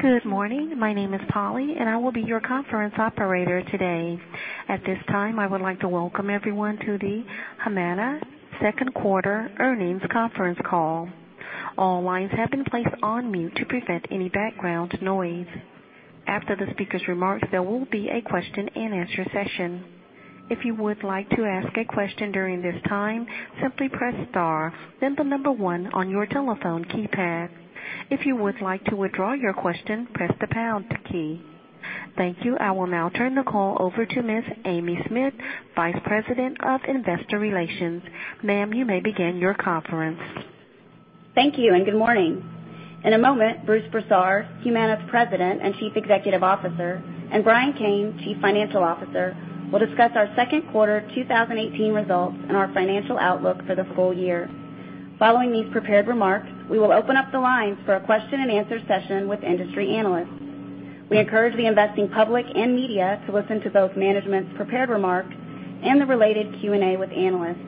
Good morning. My name is Polly, and I will be your conference operator today. At this time, I would like to welcome everyone to the Humana Second Quarter Earnings Conference Call. All lines have been placed on mute to prevent any background noise. After the speaker's remarks, there will be a question-and-answer session. If you would like to ask a question during this time, simply press star then the number one on your telephone keypad. If you would like to withdraw your question, press the pound key. Thank you. I will now turn the call over to Ms. Amy Smith, Vice President of Investor Relations. Ma'am, you may begin your conference. Thank you. Good morning. In a moment, Bruce Broussard, Humana's President and Chief Executive Officer, and Brian Kane, Chief Financial Officer, will discuss our second quarter 2018 results and our financial outlook for the full year. Following these prepared remarks, we will open up the lines for a question-and-answer session with industry analysts. We encourage the investing public and media to listen to both management's prepared remarks and the related Q&A with analysts.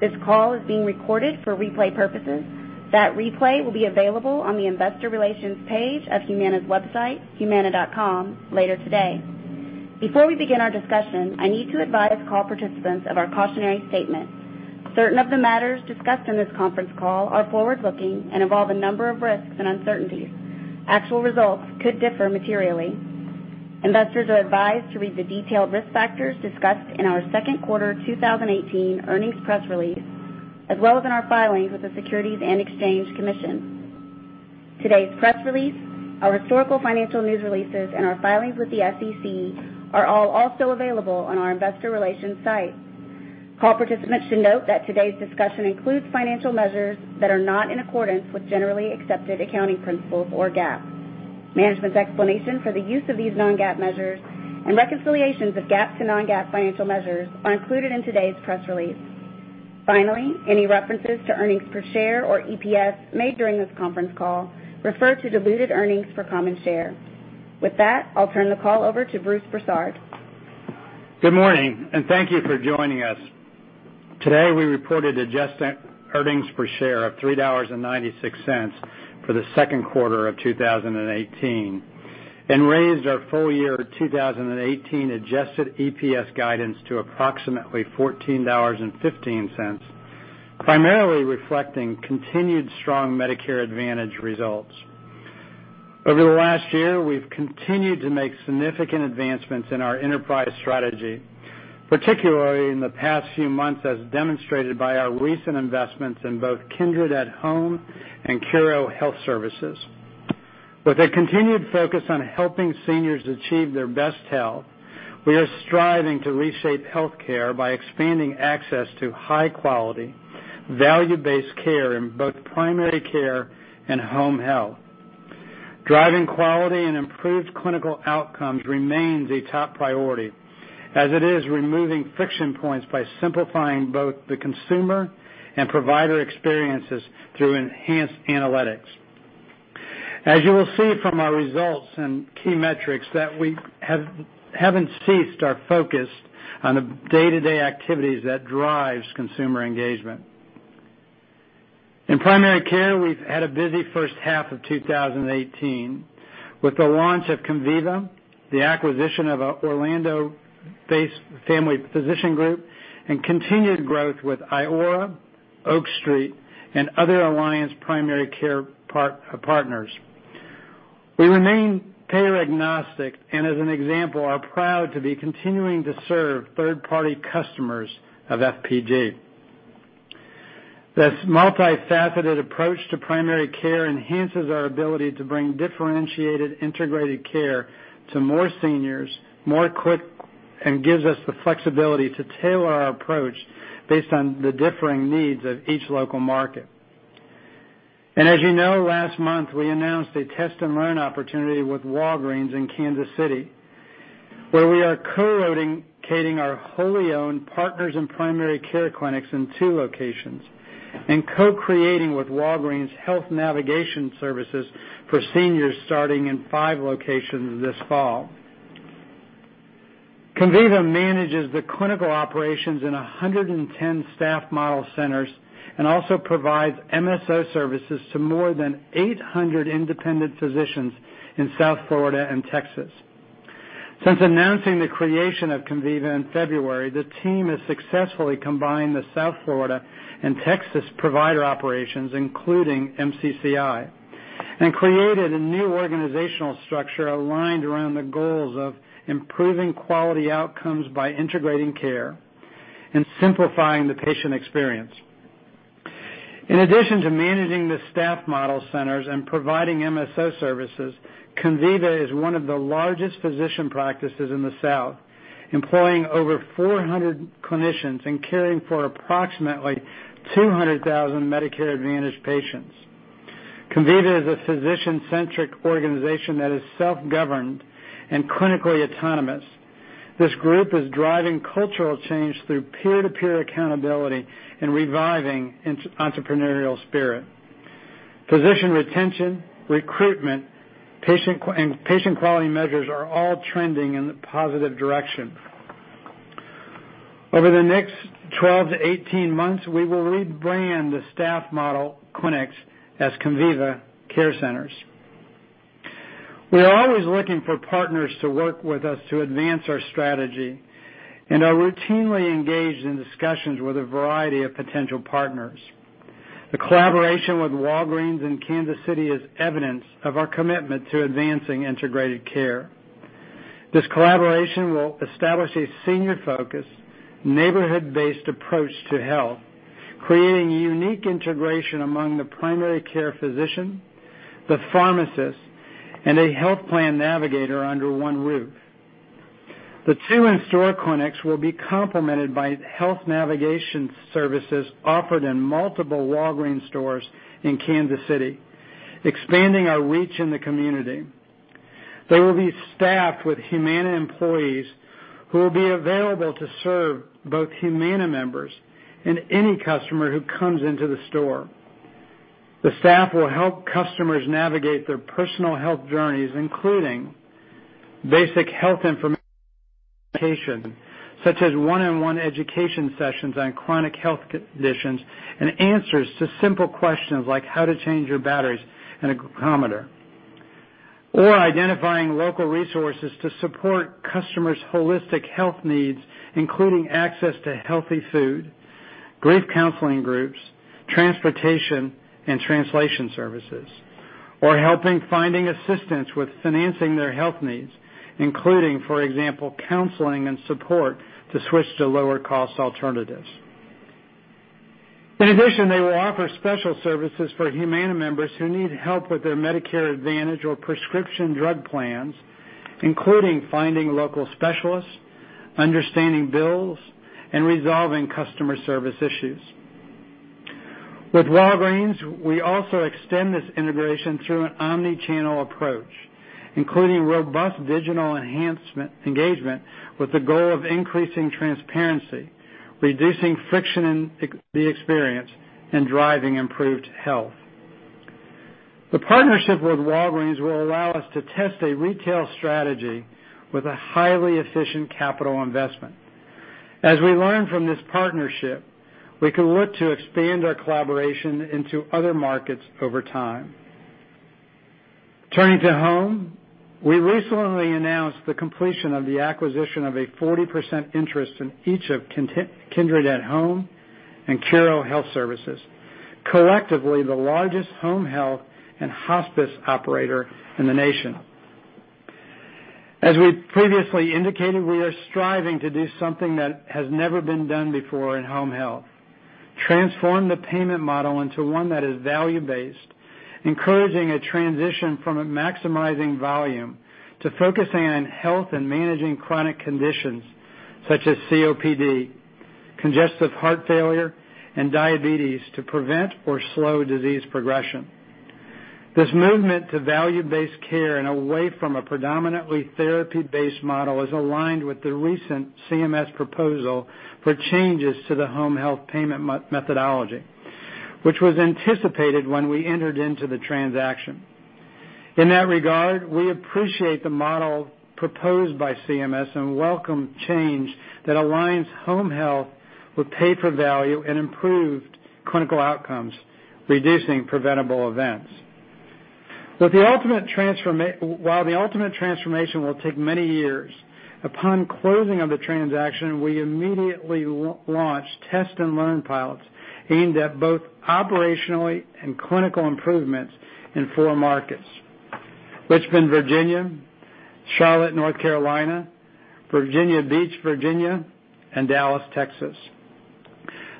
This call is being recorded for replay purposes. That replay will be available on the investor relations page of Humana's website, humana.com, later today. Before we begin our discussion, I need to advise call participants of our cautionary statement. Certain of the matters discussed in this conference call are forward-looking and involve a number of risks and uncertainties. Actual results could differ materially. Investors are advised to read the detailed risk factors discussed in our second quarter 2018 earnings press release, as well as in our filings with the Securities and Exchange Commission. Today's press release, our historical financial news releases, and our filings with the SEC are all also available on our investor relations site. Call participants should note that today's discussion includes financial measures that are not in accordance with generally accepted accounting principles or GAAP. Management's explanation for the use of these non-GAAP measures and reconciliations of GAAP to non-GAAP financial measures are included in today's press release. Finally, any references to earnings per share or EPS made during this conference call refer to diluted earnings per common share. With that, I'll turn the call over to Bruce Broussard. Good morning. Thank you for joining us. Today, we reported adjusted earnings per share of $3.96 for the second quarter of 2018 and raised our full year 2018 adjusted EPS guidance to approximately $14.15, primarily reflecting continued strong Medicare Advantage results. Over the last year, we've continued to make significant advancements in our enterprise strategy, particularly in the past few months as demonstrated by our recent investments in both Kindred at Home and Curo Health Services. With a continued focus on helping seniors achieve their best health, we are striving to reshape healthcare by expanding access to high-quality, value-based care in both primary care and home health. Driving quality and improved clinical outcomes remains a top priority, as it is removing friction points by simplifying both the consumer and provider experiences through enhanced analytics. As you will see from our results and key metrics that we haven't ceased our focus on the day-to-day activities that drives consumer engagement. In primary care, we've had a busy first half of 2018 with the launch of Conviva, the acquisition of a Orlando-based Family Physicians Group, and continued growth with Iora, Oak Street, and other alliance primary care partners. We remain payer agnostic and as an example, are proud to be continuing to serve third-party customers of FPG. This multifaceted approach to primary care enhances our ability to bring differentiated integrated care to more seniors, more quick, and gives us the flexibility to tailor our approach based on the differing needs of each local market. As you know, last month, we announced a test-and-learn opportunity with Walgreens in Kansas City, where we are co-locating our wholly owned Partners in Primary Care clinics in two locations and co-creating with Walgreens health navigation services for seniors starting in five locations this fall. Conviva manages the clinical operations in 110 staff model centers and also provides MSO services to more than 800 independent physicians in South Florida and Texas. Since announcing the creation of Conviva in February, the team has successfully combined the South Florida and Texas provider operations, including MCCI, and created a new organizational structure aligned around the goals of improving quality outcomes by integrating care and simplifying the patient experience. In addition to managing the staff model centers and providing MSO services, Conviva is one of the largest physician practices in the South, employing over 400 clinicians and caring for approximately 200,000 Medicare Advantage patients. Conviva is a physician-centric organization that is self-governed and clinically autonomous. This group is driving cultural change through peer-to-peer accountability and reviving entrepreneurial spirit. Physician retention, recruitment, and patient quality measures are all trending in the positive direction. Over the next 12 to 18 months, we will rebrand the staff model clinics as Conviva Care Centers. We are always looking for partners to work with us to advance our strategy and are routinely engaged in discussions with a variety of potential partners. The collaboration with Walgreens in Kansas City is evidence of our commitment to advancing integrated care. This collaboration will establish a senior-focused, neighborhood-based approach to health, creating unique integration among the primary care physician, the pharmacist, and a health plan navigator under one roof. The two in-store clinics will be complemented by health navigation services offered in multiple Walgreens stores in Kansas City, expanding our reach in the community. They will be staffed with Humana employees who will be available to serve both Humana members and any customer who comes into the store. The staff will help customers navigate their personal health journeys, including basic health information, such as one-on-one education sessions on chronic health conditions and answers to simple questions like how to change your batteries in a glucometer. Identifying local resources to support customers' holistic health needs, including access to healthy food, grief counseling groups, transportation, and translation services. Helping finding assistance with financing their health needs, including, for example, counseling and support to switch to lower cost alternatives. In addition, they will offer special services for Humana members who need help with their Medicare Advantage or prescription drug plans, including finding local specialists, understanding bills, and resolving customer service issues. With Walgreens, we also extend this integration through an omni-channel approach, including robust digital engagement with the goal of increasing transparency, reducing friction in the experience, and driving improved health. The partnership with Walgreens will allow us to test a retail strategy with a highly efficient capital investment. As we learn from this partnership, we can look to expand our collaboration into other markets over time. Turning to home, we recently announced the completion of the acquisition of a 40% interest in each of Kindred at Home and Curo Health Services, collectively the largest home health and hospice operator in the nation. As we previously indicated, we are striving to do something that has never been done before in home health, transform the payment model into one that is value-based, encouraging a transition from maximizing volume to focusing on health and managing chronic conditions such as COPD, congestive heart failure, and diabetes to prevent or slow disease progression. This movement to value-based care and away from a predominantly therapy-based model is aligned with the recent CMS proposal for changes to the home health payment methodology, which was anticipated when we entered into the transaction. In that regard, we appreciate the model proposed by CMS and welcome change that aligns home health with pay for value and improved clinical outcomes, reducing preventable events. While the ultimate transformation will take many years, upon closing of the transaction, we immediately launched test and learn pilots aimed at both operationally and clinical improvements in four markets, Richmond, Virginia, Charlotte, North Carolina, Virginia Beach, Virginia, and Dallas, Texas.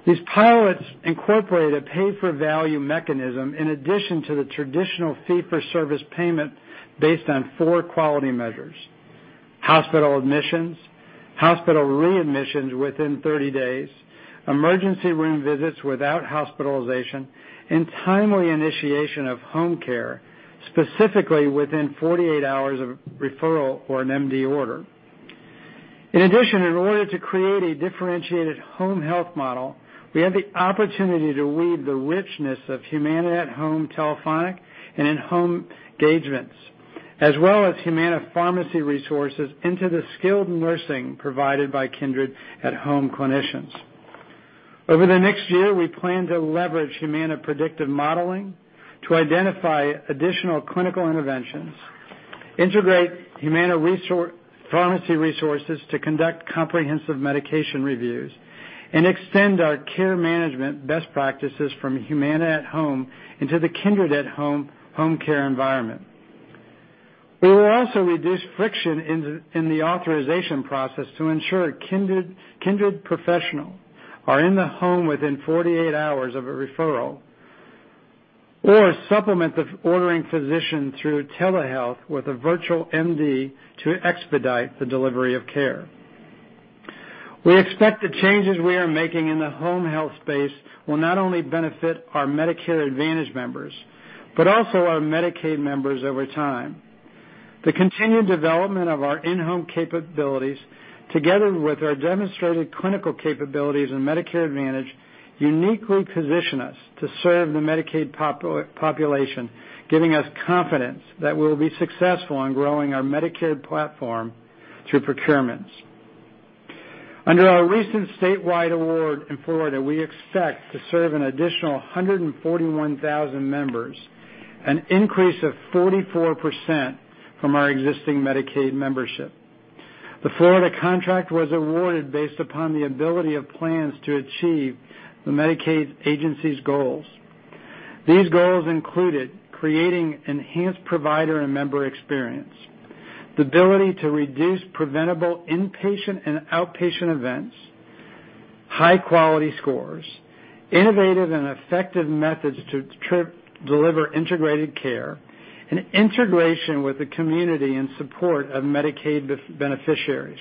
These pilots incorporate a pay-for-value mechanism in addition to the traditional fee-for-service payment based on four quality measures: hospital admissions, hospital readmissions within 30 days, emergency room visits without hospitalization, and timely initiation of home care, specifically within 48 hours of referral or an MD order. In addition, in order to create a differentiated home health model, we have the opportunity to weave the richness of Humana at Home telephonic and in-home engagements, as well as Humana pharmacy resources into the skilled nursing provided by Kindred at Home clinicians. Over the next year, we plan to leverage Humana predictive modeling to identify additional clinical interventions, integrate Humana pharmacy resources to conduct comprehensive medication reviews, and extend our care management best practices from Humana at Home into the Kindred at Home home care environment. We will also reduce friction in the authorization process to ensure Kindred professionals are in the home within 48 hours of a referral or supplement the ordering physician through telehealth with a virtual MD to expedite the delivery of care. We expect the changes we are making in the home health space will not only benefit our Medicare Advantage members but also our Medicaid members over time. The continued development of our in-home capabilities, together with our demonstrated clinical capabilities in Medicare Advantage, uniquely position us to serve the Medicaid population, giving us confidence that we'll be successful in growing our Medicaid platform through procurements. Under our recent statewide award in Florida, we expect to serve an additional 141,000 members, an increase of 44% from our existing Medicaid membership. The Florida contract was awarded based upon the ability of plans to achieve the Medicaid agency's goals. These goals included creating enhanced provider and member experience, the ability to reduce preventable inpatient and outpatient events, high-quality scores, innovative and effective methods to deliver integrated care, and integration with the community in support of Medicaid beneficiaries.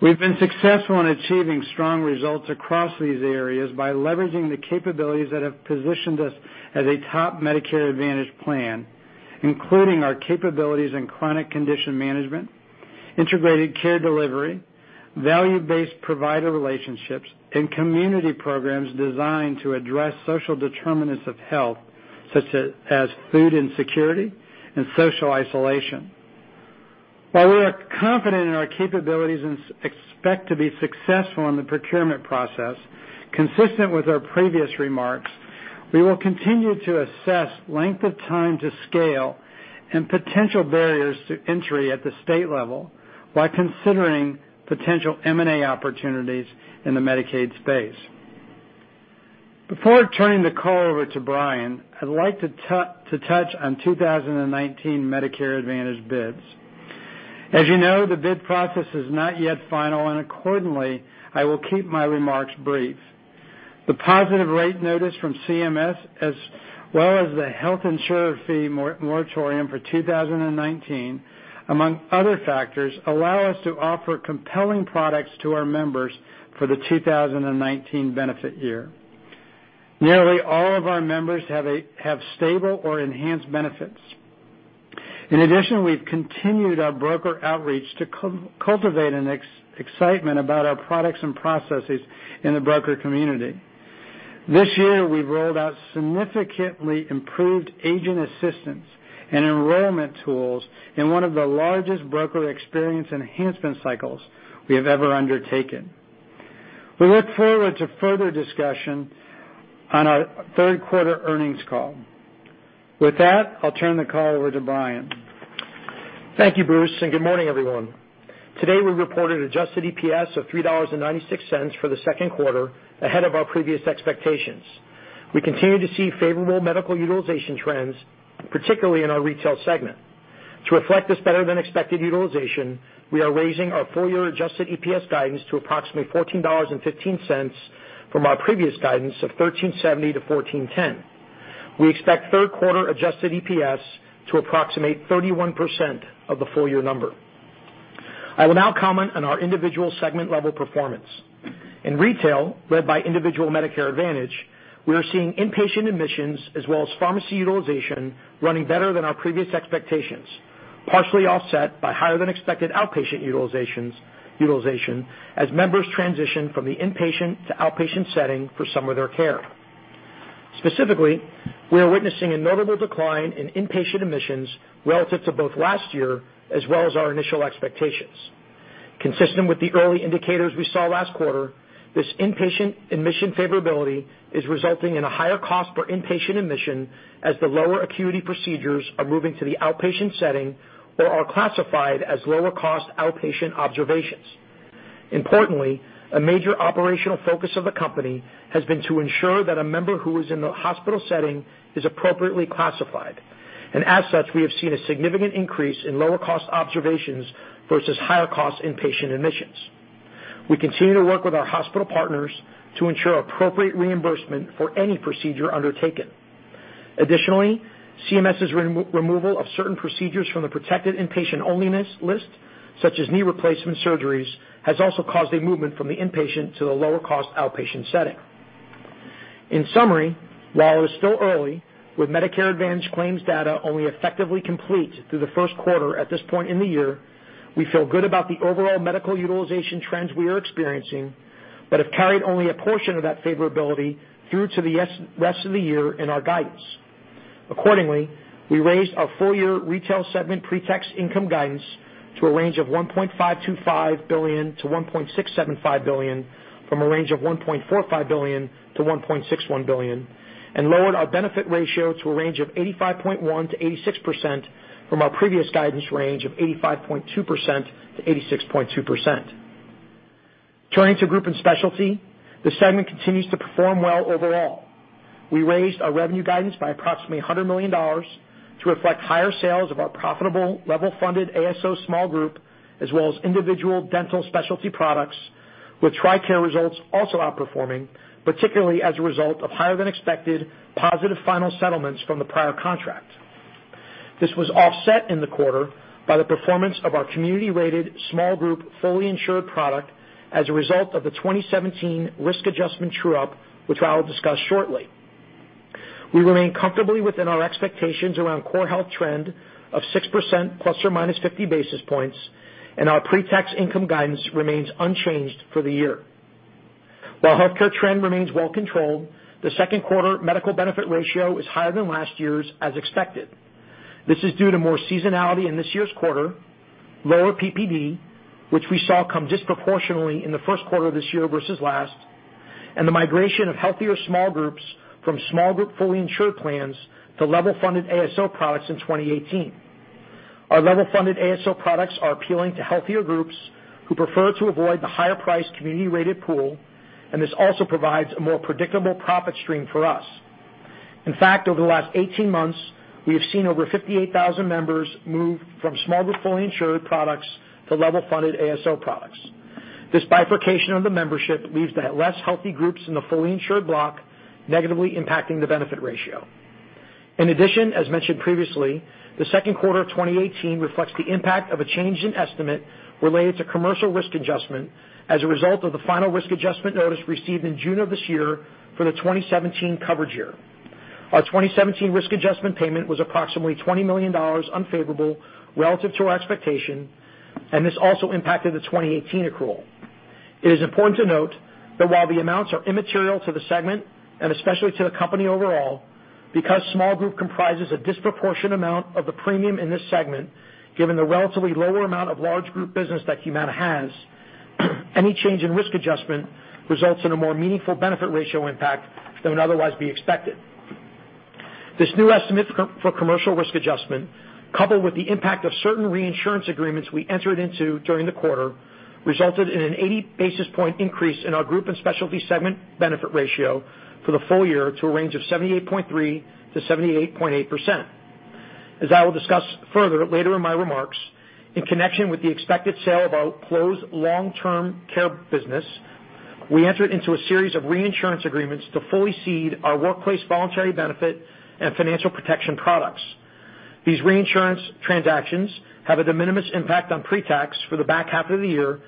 We've been successful in achieving strong results across these areas by leveraging the capabilities that have positioned us as a top Medicare Advantage plan, including our capabilities in chronic condition management, integrated care delivery, value-based provider relationships, and community programs designed to address social determinants of health such as food insecurity and social isolation. While we are confident in our capabilities and expect to be successful in the procurement process, consistent with our previous remarks, we will continue to assess length of time to scale and potential barriers to entry at the state level while considering potential M&A opportunities in the Medicaid space. Before turning the call over to Brian, I'd like to touch on 2019 Medicare Advantage bids. As you know, the bid process is not yet final, and accordingly, I will keep my remarks brief. The positive rate notice from CMS, as well as the health insurer fee moratorium for 2019, among other factors, allow us to offer compelling products to our members for the 2019 benefit year. Nearly all of our members have stable or enhanced benefits. In addition, we've continued our broker outreach to cultivate an excitement about our products and processes in the broker community. This year, we've rolled out significantly improved agent assistance and enrollment tools in one of the largest broker experience enhancement cycles we have ever undertaken. We look forward to further discussion on our third quarter earnings call. With that, I'll turn the call over to Brian. Thank you, Bruce, and good morning, everyone. Today, we reported adjusted EPS of $3.96 for the second quarter ahead of our previous expectations. We continue to see favorable medical utilization trends, particularly in our retail segment. To reflect this better-than-expected utilization, we are raising our full-year adjusted EPS guidance to approximately $14.15 from our previous guidance of $13.70-$14.10. We expect third quarter adjusted EPS to approximate 31% of the full-year number. I will now comment on our individual segment-level performance. In retail, led by individual Medicare Advantage, we are seeing inpatient admissions as well as pharmacy utilization running better than our previous expectations, partially offset by higher-than-expected outpatient utilization as members transition from the inpatient to outpatient setting for some of their care. Specifically, we are witnessing a notable decline in inpatient admissions relative to both last year as well as our initial expectations. Consistent with the early indicators we saw last quarter, this inpatient admission favorability is resulting in a higher cost per inpatient admission as the lower acuity procedures are moving to the outpatient setting or are classified as lower-cost outpatient observations. Importantly, a major operational focus of the company has been to ensure that a member who is in the hospital setting is appropriately classified, and as such, we have seen a significant increase in lower-cost observations versus higher-cost inpatient admissions. We continue to work with our hospital partners to ensure appropriate reimbursement for any procedure undertaken. Additionally, CMS's removal of certain procedures from the protected inpatient only list, such as knee replacement surgeries, has also caused a movement from the inpatient to the lower-cost outpatient setting. In summary, while it is still early, with Medicare Advantage claims data only effectively complete through the first quarter at this point in the year, we feel good about the overall medical utilization trends we are experiencing, but have carried only a portion of that favorability through to the rest of the year in our guidance. Accordingly, we raised our full-year retail segment pre-tax income guidance to a range of $1.525 billion-$1.675 billion from a range of $1.45 billion-$1.61 billion and lowered our benefit ratio to a range of 85.1%-86% from our previous guidance range of 85.2%-86.2%. Turning to Group and Specialty, the segment continues to perform well overall. We raised our revenue guidance by approximately $100 million to reflect higher sales of our profitable level-funded ASO small group as well as individual dental specialty products, with TRICARE results also outperforming, particularly as a result of higher-than-expected positive final settlements from the prior contract. This was offset in the quarter by the performance of our community-rated small group fully insured product as a result of the 2017 risk adjustment true-up, which I will discuss shortly. We remain comfortably within our expectations around core health trend of 6% ±50 basis points, and our pre-tax income guidance remains unchanged for the year. While healthcare trend remains well controlled, the second quarter medical benefit ratio is higher than last year's, as expected. This is due to more seasonality in this year's quarter, lower PPD, which we saw come disproportionately in the first quarter of this year versus last, and the migration of healthier small groups from small group fully insured plans to level-funded ASO products in 2018. Our level-funded ASO products are appealing to healthier groups who prefer to avoid the higher price community-rated pool, and this also provides a more predictable profit stream for us. In fact, over the last 18 months, we have seen over 58,000 members move from small group fully insured products to level-funded ASO products. This bifurcation of the membership leaves the less healthy groups in the fully insured block, negatively impacting the benefit ratio. In addition, as mentioned previously, the second quarter of 2018 reflects the impact of a change in estimate related to commercial risk adjustment as a result of the final risk adjustment notice received in June of this year for the 2017 coverage year. Our 2017 risk adjustment payment was approximately $20 million unfavorable relative to our expectation, and this also impacted the 2018 accrual. It is important to note that while the amounts are immaterial to the segment, and especially to the company overall, because small group comprises a disproportionate amount of the premium in this segment, given the relatively lower amount of large group business that Humana has, any change in risk adjustment results in a more meaningful benefit ratio impact than would otherwise be expected. This new estimate for commercial risk adjustment, coupled with the impact of certain reinsurance agreements we entered into during the quarter, resulted in an 80 basis point increase in our group and specialty segment benefit ratio for the full year to a range of 78.3%-78.8%. As I will discuss further later in my remarks, in connection with the expected sale of our closed long-term care business, we entered into a series of reinsurance agreements to fully cede our workplace voluntary benefit and financial protection products. These reinsurance transactions have a de minimis impact on pre-tax for the back half of the year,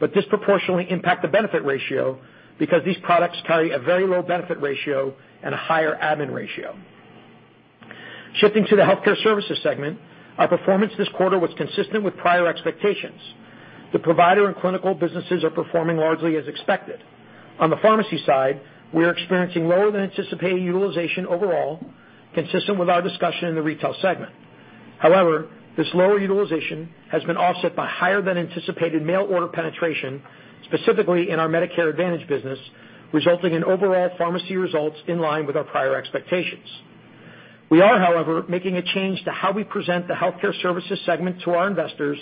but disproportionately impact the benefit ratio because these products carry a very low benefit ratio and a higher admin ratio. Shifting to the healthcare services segment, our performance this quarter was consistent with prior expectations. The provider and clinical businesses are performing largely as expected. On the pharmacy side, we are experiencing lower than anticipated utilization overall, consistent with our discussion in the retail segment. However, this lower utilization has been offset by higher than anticipated mail order penetration, specifically in our Medicare Advantage business, resulting in overall pharmacy results in line with our prior expectations. We are, however, making a change to how we present the healthcare services segment to our investors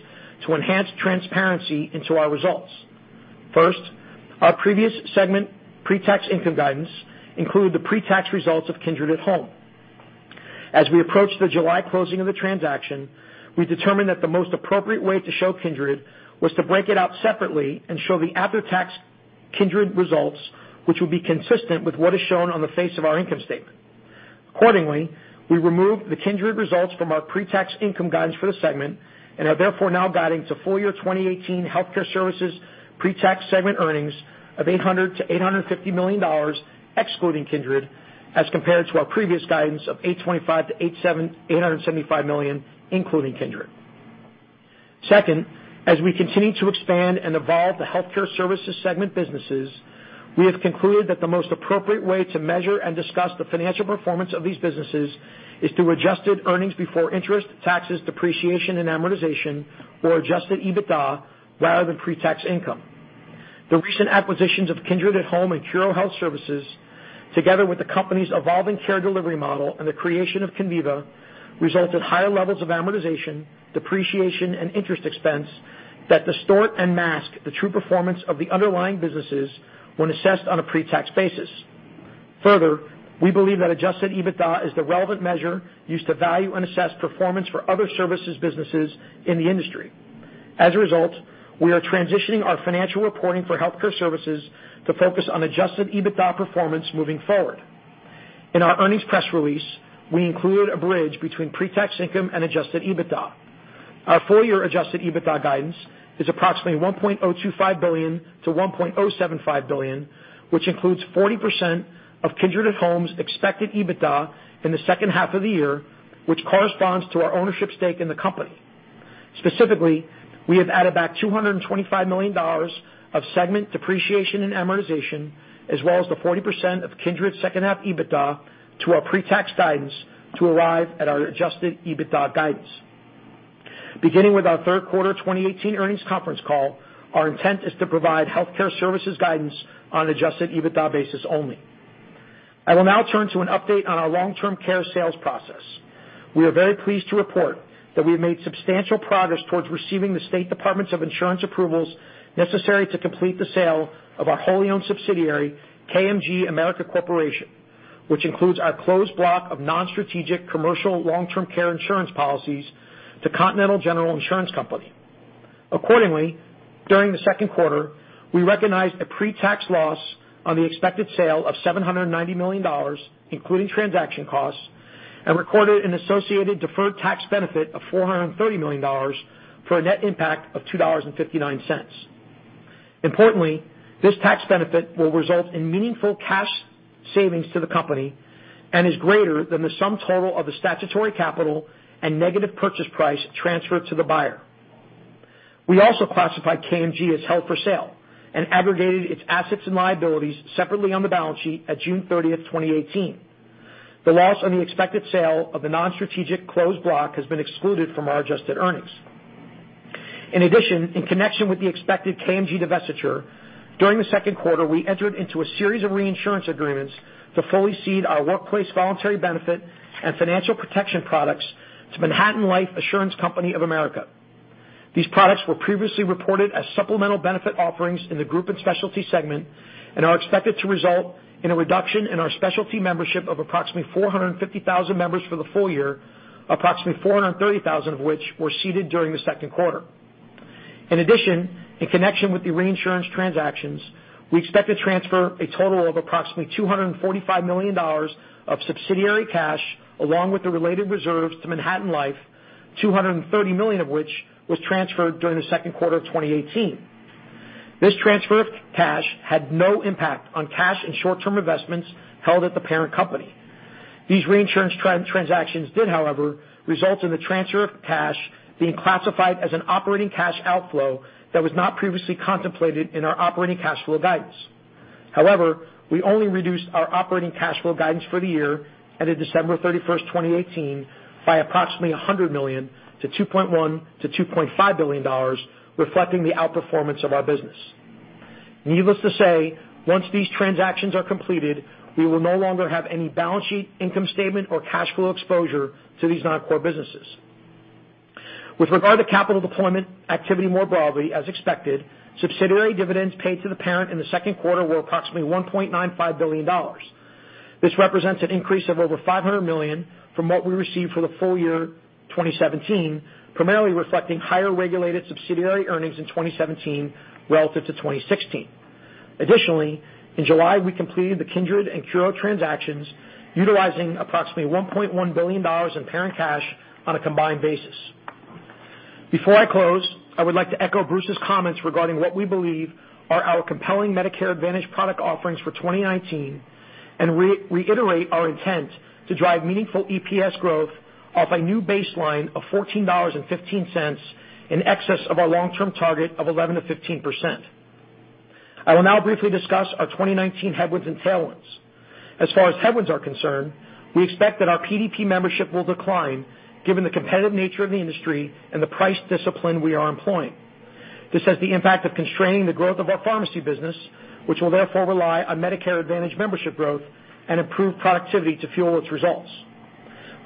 to enhance transparency into our results. First, our previous segment pre-tax income guidance included the pre-tax results of Kindred at Home. As we approach the July closing of the transaction, we determined that the most appropriate way to show Kindred was to break it out separately and show the after-tax Kindred results, which will be consistent with what is shown on the face of our income statement. Accordingly, we removed the Kindred results from our pre-tax income guidance for the segment and are therefore now guiding to full-year 2018 healthcare services pre-tax segment earnings of $800 million-$850 million, excluding Kindred, as compared to our previous guidance of $825 million-$875 million, including Kindred. Second, as we continue to expand and evolve the healthcare services segment businesses, we have concluded that the most appropriate way to measure and discuss the financial performance of these businesses is through adjusted earnings before interest, taxes, depreciation, and amortization, or adjusted EBITDA, rather than pre-tax income. The recent acquisitions of Kindred at Home and Curo Health Services, together with the company's evolving care delivery model and the creation of Conviva, resulted in higher levels of amortization, depreciation, and interest expense that distort and mask the true performance of the underlying businesses when assessed on a pre-tax basis. Further, we believe that adjusted EBITDA is the relevant measure used to value and assess performance for other services businesses in the industry. As a result, we are transitioning our financial reporting for healthcare services to focus on adjusted EBITDA performance moving forward. In our earnings press release, we included a bridge between pre-tax income and adjusted EBITDA. Our full-year adjusted EBITDA guidance is approximately $1.025 billion-$1.075 billion, which includes 40% of Kindred at Home's expected EBITDA in the second half of the year, which corresponds to our ownership stake in the company. Specifically, we have added back $225 million of segment depreciation and amortization, as well as the 40% of Kindred's second half EBITDA to our pre-tax guidance to arrive at our adjusted EBITDA guidance. Beginning with our third quarter 2018 earnings conference call, our intent is to provide healthcare services guidance on an adjusted EBITDA basis only. I will now turn to an update on our long-term care sales process. We are very pleased to report that we've made substantial progress towards receiving the state departments of insurance approvals necessary to complete the sale of our wholly owned subsidiary, KMG America Corporation, which includes our closed block of non-strategic commercial long-term care insurance policies to Continental General Insurance Company. Accordingly, during the second quarter, we recognized a pre-tax loss on the expected sale of $790 million, including transaction costs, and recorded an associated deferred tax benefit of $430 million for a net impact of $2.59. Importantly, this tax benefit will result in meaningful cash savings to the company and is greater than the sum total of the statutory capital and negative purchase price transferred to the buyer. We also classified KMG as held for sale and aggregated its assets and liabilities separately on the balance sheet at June 30th, 2018. The loss on the expected sale of the non-strategic closed block has been excluded from our adjusted earnings. In addition, in connection with the expected KMG divestiture, during the second quarter, we entered into a series of reinsurance agreements to fully cede our workplace voluntary benefit and financial protection products to ManhattanLife Assurance Company of America. These products were previously reported as supplemental benefit offerings in the group and specialty segment and are expected to result in a reduction in our specialty membership of approximately 450,000 members for the full year, approximately 430,000 of which were ceded during the second quarter. In addition, in connection with the reinsurance transactions, we expect to transfer a total of approximately $245 million of subsidiary cash along with the related reserves to ManhattanLife, $230 million of which was transferred during the second quarter of 2018. This transfer of cash had no impact on cash and short-term investments held at the parent company. These reinsurance transactions did, however, result in the transfer of cash being classified as an operating cash outflow that was not previously contemplated in our operating cash flow guidance. We only reduced our operating cash flow guidance for the year ended December 31st, 2018, by approximately $100 million to $2.1 billion-$2.5 billion, reflecting the outperformance of our business. Needless to say, once these transactions are completed, we will no longer have any balance sheet, income statement, or cash flow exposure to these non-core businesses. With regard to capital deployment activity more broadly, as expected, subsidiary dividends paid to the parent in the second quarter were approximately $1.95 billion. This represents an increase of over $500 million from what we received for the full year 2017, primarily reflecting higher regulated subsidiary earnings in 2017 relative to 2016. Additionally, in July, we completed the Kindred and Curo transactions utilizing approximately $1.1 billion in parent cash on a combined basis. Before I close, I would like to echo Bruce's comments regarding what we believe are our compelling Medicare Advantage product offerings for 2019 and reiterate our intent to drive meaningful EPS growth off a new baseline of $14.15 in excess of our long-term target of 11%-15%. I will now briefly discuss our 2019 headwinds and tailwinds. As far as headwinds are concerned, we expect that our PDP membership will decline given the competitive nature of the industry and the price discipline we are employing. This has the impact of constraining the growth of our pharmacy business, which will therefore rely on Medicare Advantage membership growth and improve productivity to fuel its results.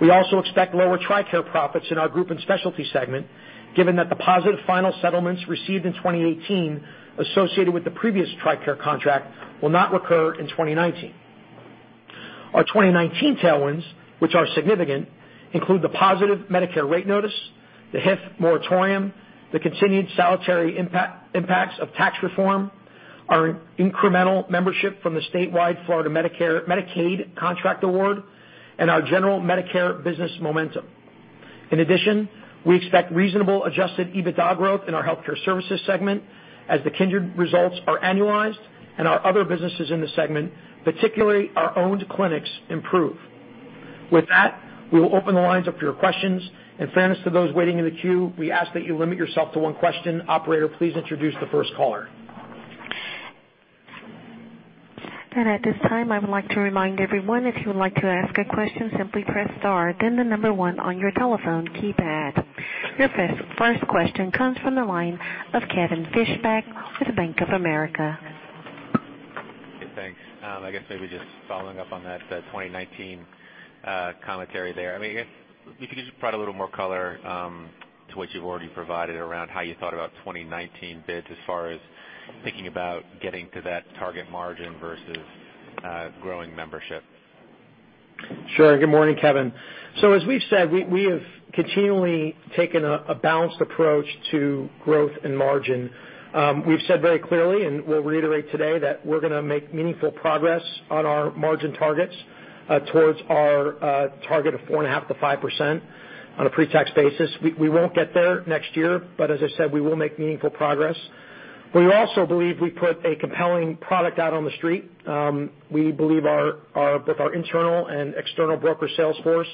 We also expect lower TRICARE profits in our group and specialty segment, given that the positive final settlements received in 2018 associated with the previous TRICARE contract will not recur in 2019. Our 2019 tailwinds, which are significant, include the positive Medicare rate notice, the HIF moratorium, the continued salutary impacts of tax reform, our incremental membership from the statewide Florida Medicaid contract award, and our general Medicare business momentum. In addition, we expect reasonable adjusted EBITDA growth in our healthcare services segment as the Kindred results are annualized and our other businesses in the segment, particularly our owned clinics, improve. With that, we will open the lines up to your questions. In fairness to those waiting in the queue, we ask that you limit yourself to one question. Operator, please introduce the first caller. At this time, I would like to remind everyone if you would like to ask a question, simply press star, then the number one on your telephone keypad. Your first question comes from the line of Kevin Fischbeck with Bank of America. Okay, thanks. Just following up on that 2019 commentary there. If you could just provide a little more color to what you've already provided around how you thought about 2019 bids as far as thinking about getting to that target margin versus growing membership. Sure. Good morning, Kevin. As we've said, we have continually taken a balanced approach to growth and margin. We've said very clearly, and we'll reiterate today, that we're going to make meaningful progress on our margin targets towards our target of 4.5%-5% on a pre-tax basis. We won't get there next year. As I said, we will make meaningful progress. We also believe we put a compelling product out on the street. We believe both our internal and external broker sales force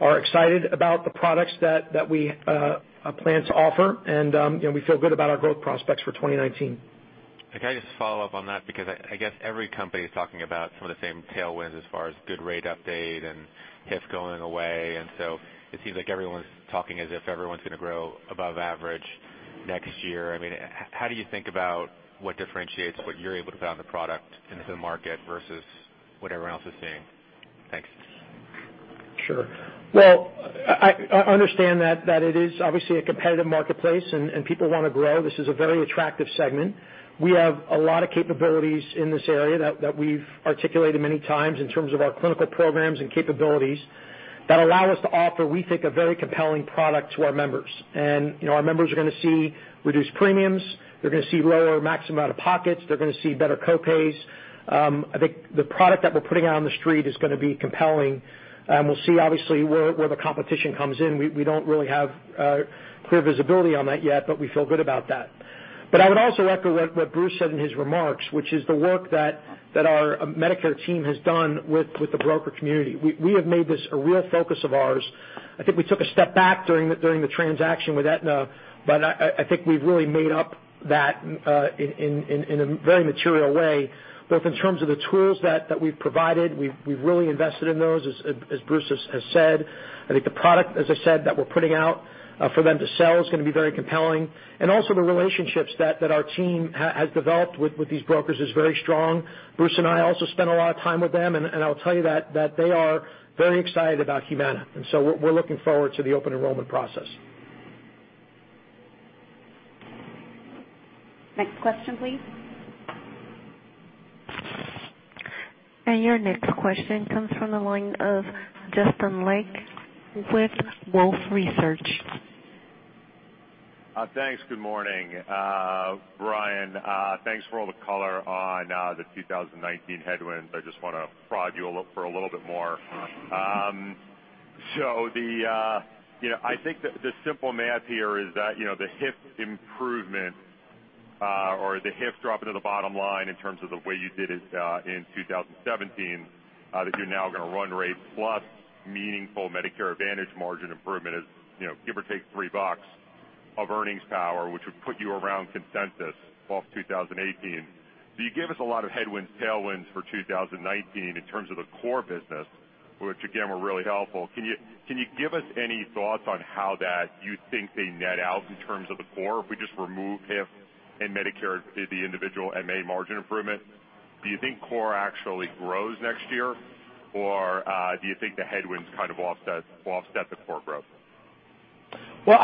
are excited about the products that we plan to offer. We feel good about our growth prospects for 2019. Okay, can I just follow up on that? Every company is talking about some of the same tailwinds as far as good rate update and HIF going away. It seems like everyone's talking as if everyone's going to grow above average next year. How do you think about what differentiates what you're able to put out in the product into the market versus what everyone else is seeing? Thanks. Sure. I understand that it is obviously a competitive marketplace. People want to grow. This is a very attractive segment. We have a lot of capabilities in this area that we've articulated many times in terms of our clinical programs and capabilities that allow us to offer, we think, a very compelling product to our members. Our members are going to see reduced premiums. They're going to see lower maximum out-of-pockets. They're going to see better co-pays. I think the product that we're putting out on the street is going to be compelling. We'll see obviously where the competition comes in. We don't really have clear visibility on that yet. We feel good about that. I would also echo what Bruce said in his remarks, which is the work that our Medicare team has done with the broker community. We have made this a real focus of ours. I think we took a step back during the transaction with Aetna, but I think we've really made up that in a very material way, both in terms of the tools that we've provided, we've really invested in those, as Bruce has said. I think the product, as I said, that we're putting out for them to sell is going to be very compelling. Also the relationships that our team has developed with these brokers is very strong. Bruce and I also spend a lot of time with them, and I'll tell you that they are very excited about Humana, and so we're looking forward to the open enrollment process. Next question, please. Your next question comes from the line of Justin Lake with Wolfe Research. Thanks. Good morning. Brian, thanks for all the color on the 2019 headwinds. I just want to prod you for a little bit more. I think the simple math here is that the HIF improvement or the HIF drop into the bottom line in terms of the way you did it in 2017, that you're now going to run rate plus meaningful Medicare Advantage margin improvement is, give or take $3 of earnings power, which would put you around consensus off 2018. You gave us a lot of headwinds, tailwinds for 2019 in terms of the core business, which again, were really helpful. Can you give us any thoughts on how that you think they net out in terms of the core if we just remove HIF and Medicare, the individual MA margin improvement? Do you think core actually grows next year? Do you think the headwinds kind of offset the core growth? Well,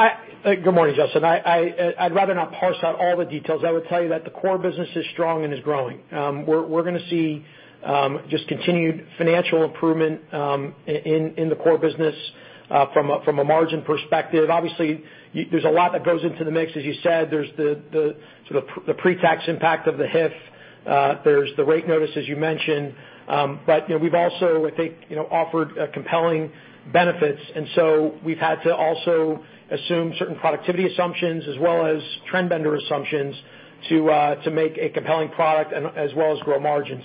good morning, Justin. I'd rather not parse out all the details. I would tell you that the core business is strong and is growing. We're going to see just continued financial improvement in the core business from a margin perspective. Obviously, there's a lot that goes into the mix. As you said, there's the pre-tax impact of the HIF. There's the rate notice, as you mentioned. We've also, I think, offered compelling benefits. We've had to also assume certain productivity assumptions as well as trend vendor assumptions to make a compelling product and as well as grow margin.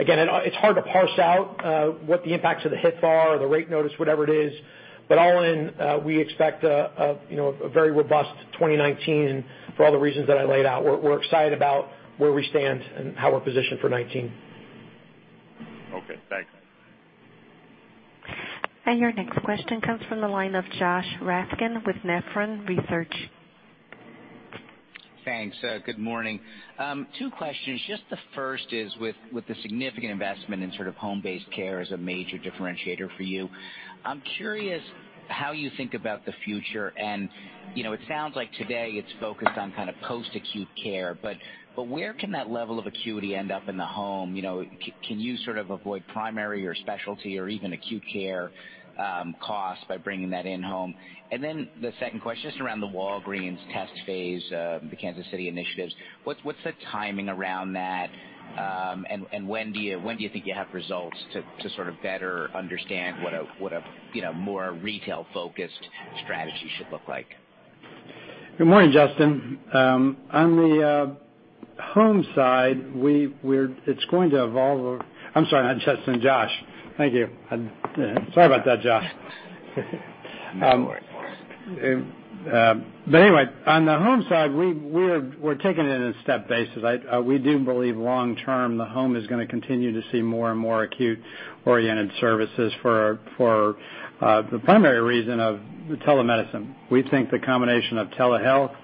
Again, it's hard to parse out what the impacts of the HIF are or the rate notice, whatever it is. All in, we expect a very robust 2019 for all the reasons that I laid out. We're excited about where we stand and how we're positioned for 2019. Okay. Thanks. Your next question comes from the line of Joshua Raskin with Nephron Research. Thanks. Good morning. Two questions. The first is with the significant investment in sort of home-based care as a major differentiator for you, I'm curious how you think about the future, and it sounds like today it's focused on post-acute care, but where can that level of acuity end up in the home? Can you sort of avoid primary or specialty or even acute care costs by bringing that in-home? The second question, just around the Walgreens test phase, the Kansas City initiatives, what's the timing around that? When do you think you have results to sort of better understand what a more retail-focused strategy should look like? Good morning, Justin. On the home side, it's going to evolve. I'm sorry, not Justin, Josh. Thank you. Sorry about that, Josh. No worries. Anyway, on the home side, we're taking it in a step basis. We do believe long-term, the home is going to continue to see more and more acute-oriented services for the primary reason of telemedicine. We think the combination of telehealth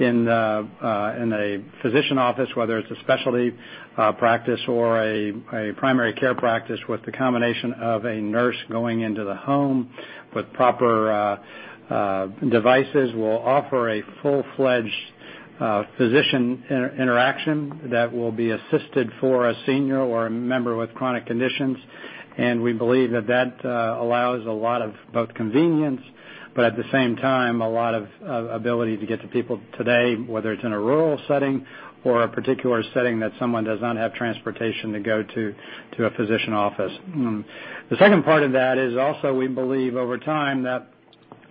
in a physician office, whether it's a specialty practice or a primary care practice with the combination of a nurse going into the home with proper devices will offer a full-fledged physician interaction that will be assisted for a senior or a member with chronic conditions. We believe that allows a lot of both convenience, but at the same time, a lot of ability to get to people today, whether it's in a rural setting or a particular setting that someone does not have transportation to go to a physician office. The second part of that is also we believe over time that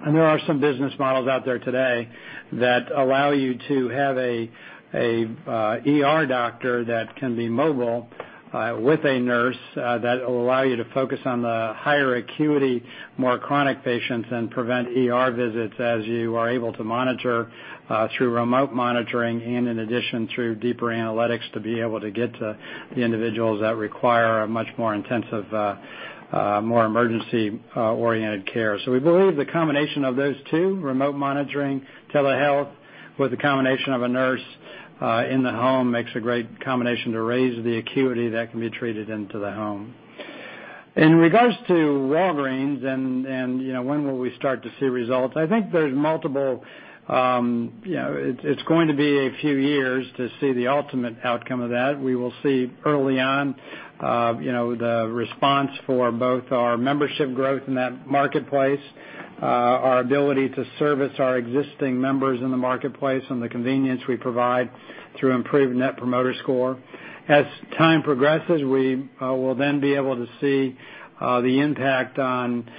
there are some business models out there today that allow you to have an ER doctor that can be mobile with a nurse that will allow you to focus on the higher acuity, more chronic patients, and prevent ER visits as you are able to monitor through remote monitoring and in addition through deeper analytics to be able to get to the individuals that require a much more intensive, more emergency-oriented care. We believe the combination of those two, remote monitoring, telehealth, with the combination of a nurse in the home makes a great combination to raise the acuity that can be treated into the home. In regards to Walgreens and when will we start to see results, I think it's going to be a few years to see the ultimate outcome of that. We will see early on the response for both our membership growth in that marketplace, our ability to service our existing members in the marketplace, and the convenience we provide through improved net promoter score. As time progresses, we will then be able to see the impact on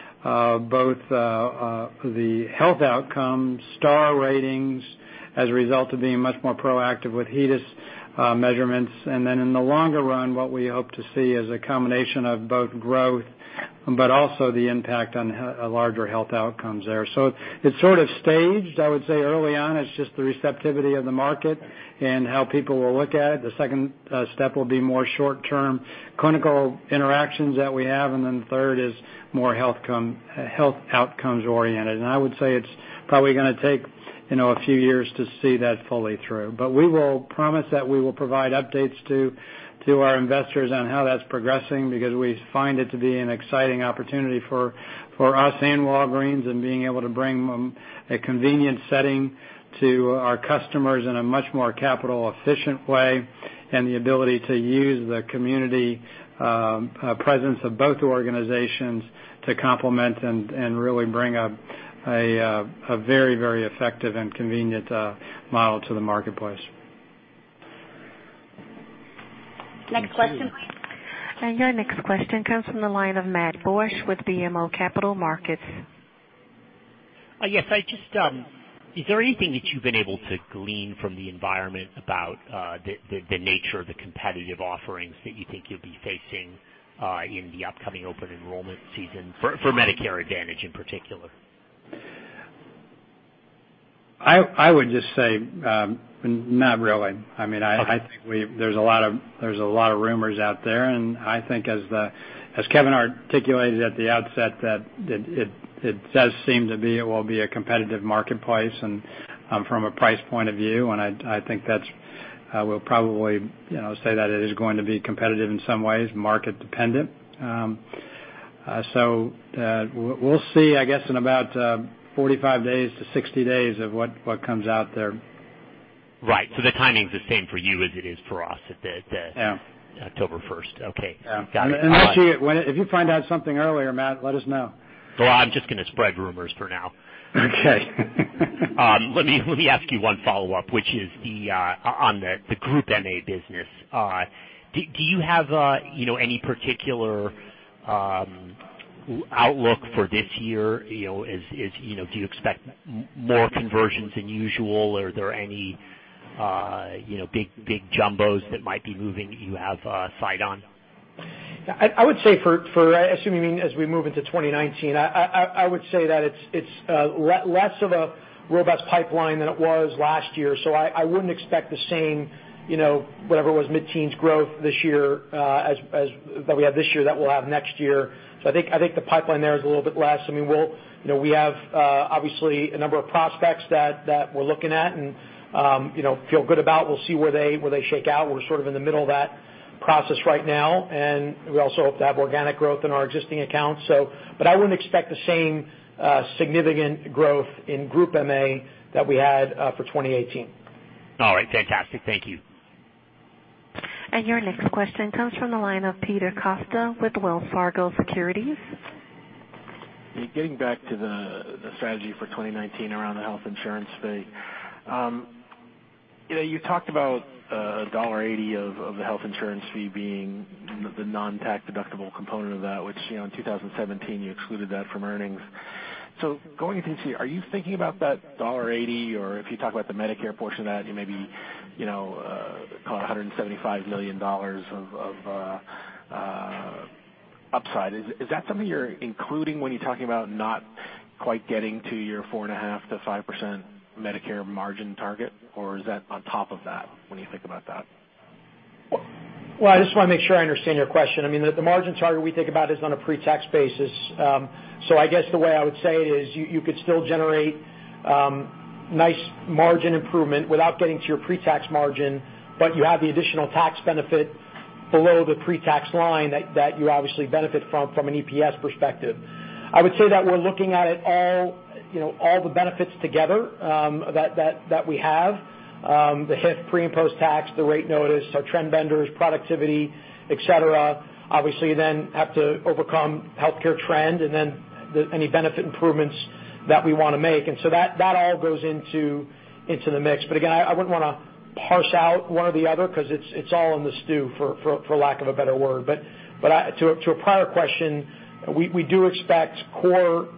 both the health outcomes, star ratings as a result of being much more proactive with HEDIS measurements. Then in the longer run, what we hope to see is a combination of both growth But also the impact on larger health outcomes there. It's sort of staged. I would say early on, it's just the receptivity of the market and how people will look at it. The second step will be more short-term clinical interactions that we have, and then the third is more health outcomes oriented. I would say it's probably going to take a few years to see that fully through. We will promise that we will provide updates to our investors on how that's progressing, because we find it to be an exciting opportunity for us and Walgreens, and being able to bring a convenient setting to our customers in a much more capital efficient way, and the ability to use the community presence of both organizations to complement and really bring a very effective and convenient model to the marketplace. Next question. Your next question comes from the line of Matt Borsch with BMO Capital Markets. Yes. Is there anything that you've been able to glean from the environment about the nature of the competitive offerings that you think you'll be facing in the upcoming open enrollment season for Medicare Advantage in particular? I would just say, not really. I think there's a lot of rumors out there, and I think as Kevin articulated at the outset that it does seem to be, it will be a competitive marketplace and from a price point of view, and I think that we'll probably say that it is going to be competitive in some ways, market dependent. We'll see, I guess, in about 45-60 days of what comes out there. Right. The timing's the same for you as it is for us. Yeah October 1st. Okay. Got it. Actually, if you find out something earlier, Matt, let us know. Well, I'm just going to spread rumors for now. Okay. Let me ask you one follow-up, which is on the Group MA business. Do you have any particular outlook for this year? Do you expect more conversions than usual? Are there any big jumbos that might be moving that you have a sight on? I would say for, assuming as we move into 2019, I would say that it's less of a robust pipeline than it was last year, so I wouldn't expect the same, whatever it was, mid-teens growth this year, that we had this year, that we'll have next year. I think the pipeline there is a little bit less. We have, obviously, a number of prospects that we're looking at and feel good about. We'll see where they shake out. We're sort of in the middle of that process right now, and we also hope to have organic growth in our existing accounts. I wouldn't expect the same significant growth in Group MA that we had for 2018. All right. Fantastic. Thank you. Your next question comes from the line of Peter Costa with Wells Fargo Securities. Getting back to the strategy for 2019 around the health insurance fee. You talked about $1.80 of the health insurance fee being the non-tax-deductible component of that. Which, in 2017, you excluded that from earnings. Going into this year, are you thinking about that $1.80, or if you talk about the Medicare portion of that, maybe call it $175 million of upside. Is that something you're including when you're talking about not quite getting to your 4.5%-5% Medicare margin target? Or is that on top of that when you think about that? Well, I just want to make sure I understand your question. The margin target we think about is on a pre-tax basis. I guess the way I would say it is, you could still generate nice margin improvement without getting to your pre-tax margin, but you have the additional tax benefit below the pre-tax line that you obviously benefit from an EPS perspective. I would say that we're looking at it all the benefits together that we have, the HIF pre- and post-tax, the rate notice, our trend vendors, productivity, et cetera. Obviously, you then have to overcome healthcare trend, and then any benefit improvements that we want to make. That all goes into the mix. Again, I wouldn't want to parse out one or the other because it's all in the stew, for lack of a better word. To a prior question, we do expect core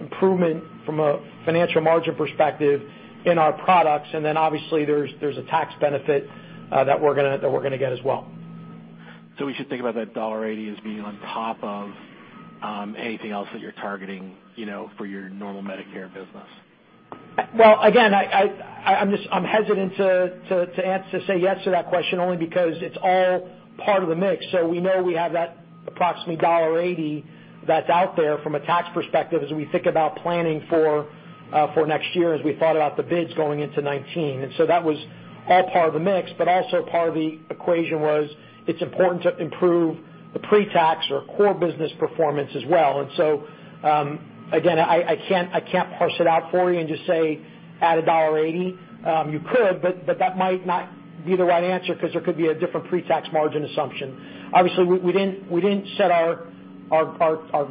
improvement from a financial margin perspective in our products. Obviously, there's a tax benefit that we're going to get as well. We should think about that $1.80 as being on top of anything else that you're targeting for your normal Medicare business. Well, again, I'm hesitant to say yes to that question, only because it's all part of the mix. We know we have that approximately $1.80 that's out there from a tax perspective as we think about planning for next year, as we thought about the bids going into 2019. That was all part of the mix, but also part of the equation was, it's important to improve the pre-tax or core business performance as well. Again, I can't parse it out for you and just say add $1.80. You could, but that might not be the right answer because there could be a different pre-tax margin assumption. Obviously, we didn't set our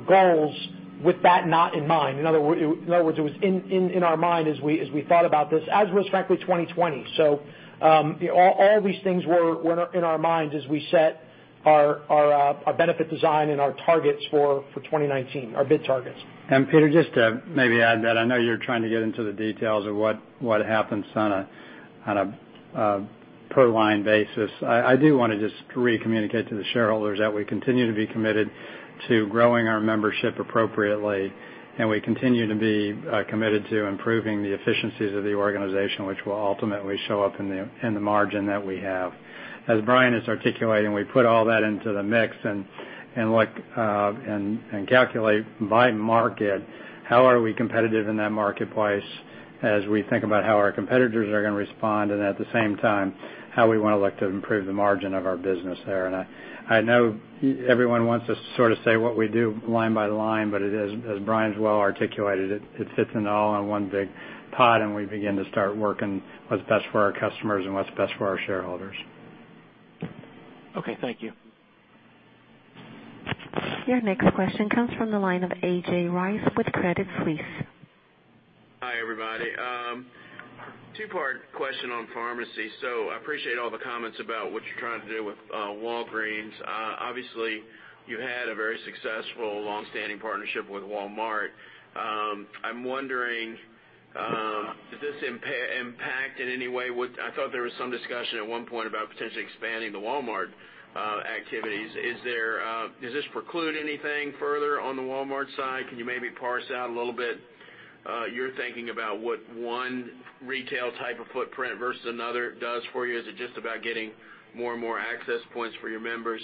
goals with that not in mind. In other words, it was in our mind as we thought about this, as was frankly 2020. All these things were in our minds as we set our benefit design and our targets for 2019, our bid targets. Peter, just to maybe add that I know you're trying to get into the details of what happens on a per line basis. I do want to just re-communicate to the shareholders that we continue to be committed to growing our membership appropriately, and we continue to be committed to improving the efficiencies of the organization, which will ultimately show up in the margin that we have. As Brian is articulating, we put all that into the mix and calculate by market, how are we competitive in that marketplace as we think about how our competitors are going to respond, and at the same time, how we want to look to improve the margin of our business there. I know everyone wants to sort of say what we do line by line, as Brian's well articulated, it fits in all in one big pot, and we begin to start working what's best for our customers and what's best for our shareholders. Okay, thank you. Your next question comes from the line of A.J. Rice with Credit Suisse. Hi, everybody. Two-part question on pharmacy. I appreciate all the comments about what you're trying to do with Walgreens. Obviously, you had a very successful long-standing partnership with Walmart. I'm wondering, does this impact in any way? I thought there was some discussion at one point about potentially expanding the Walmart activities. Does this preclude anything further on the Walmart side? Can you maybe parse out a little bit your thinking about what one retail type of footprint versus another does for you? Is it just about getting more and more access points for your members?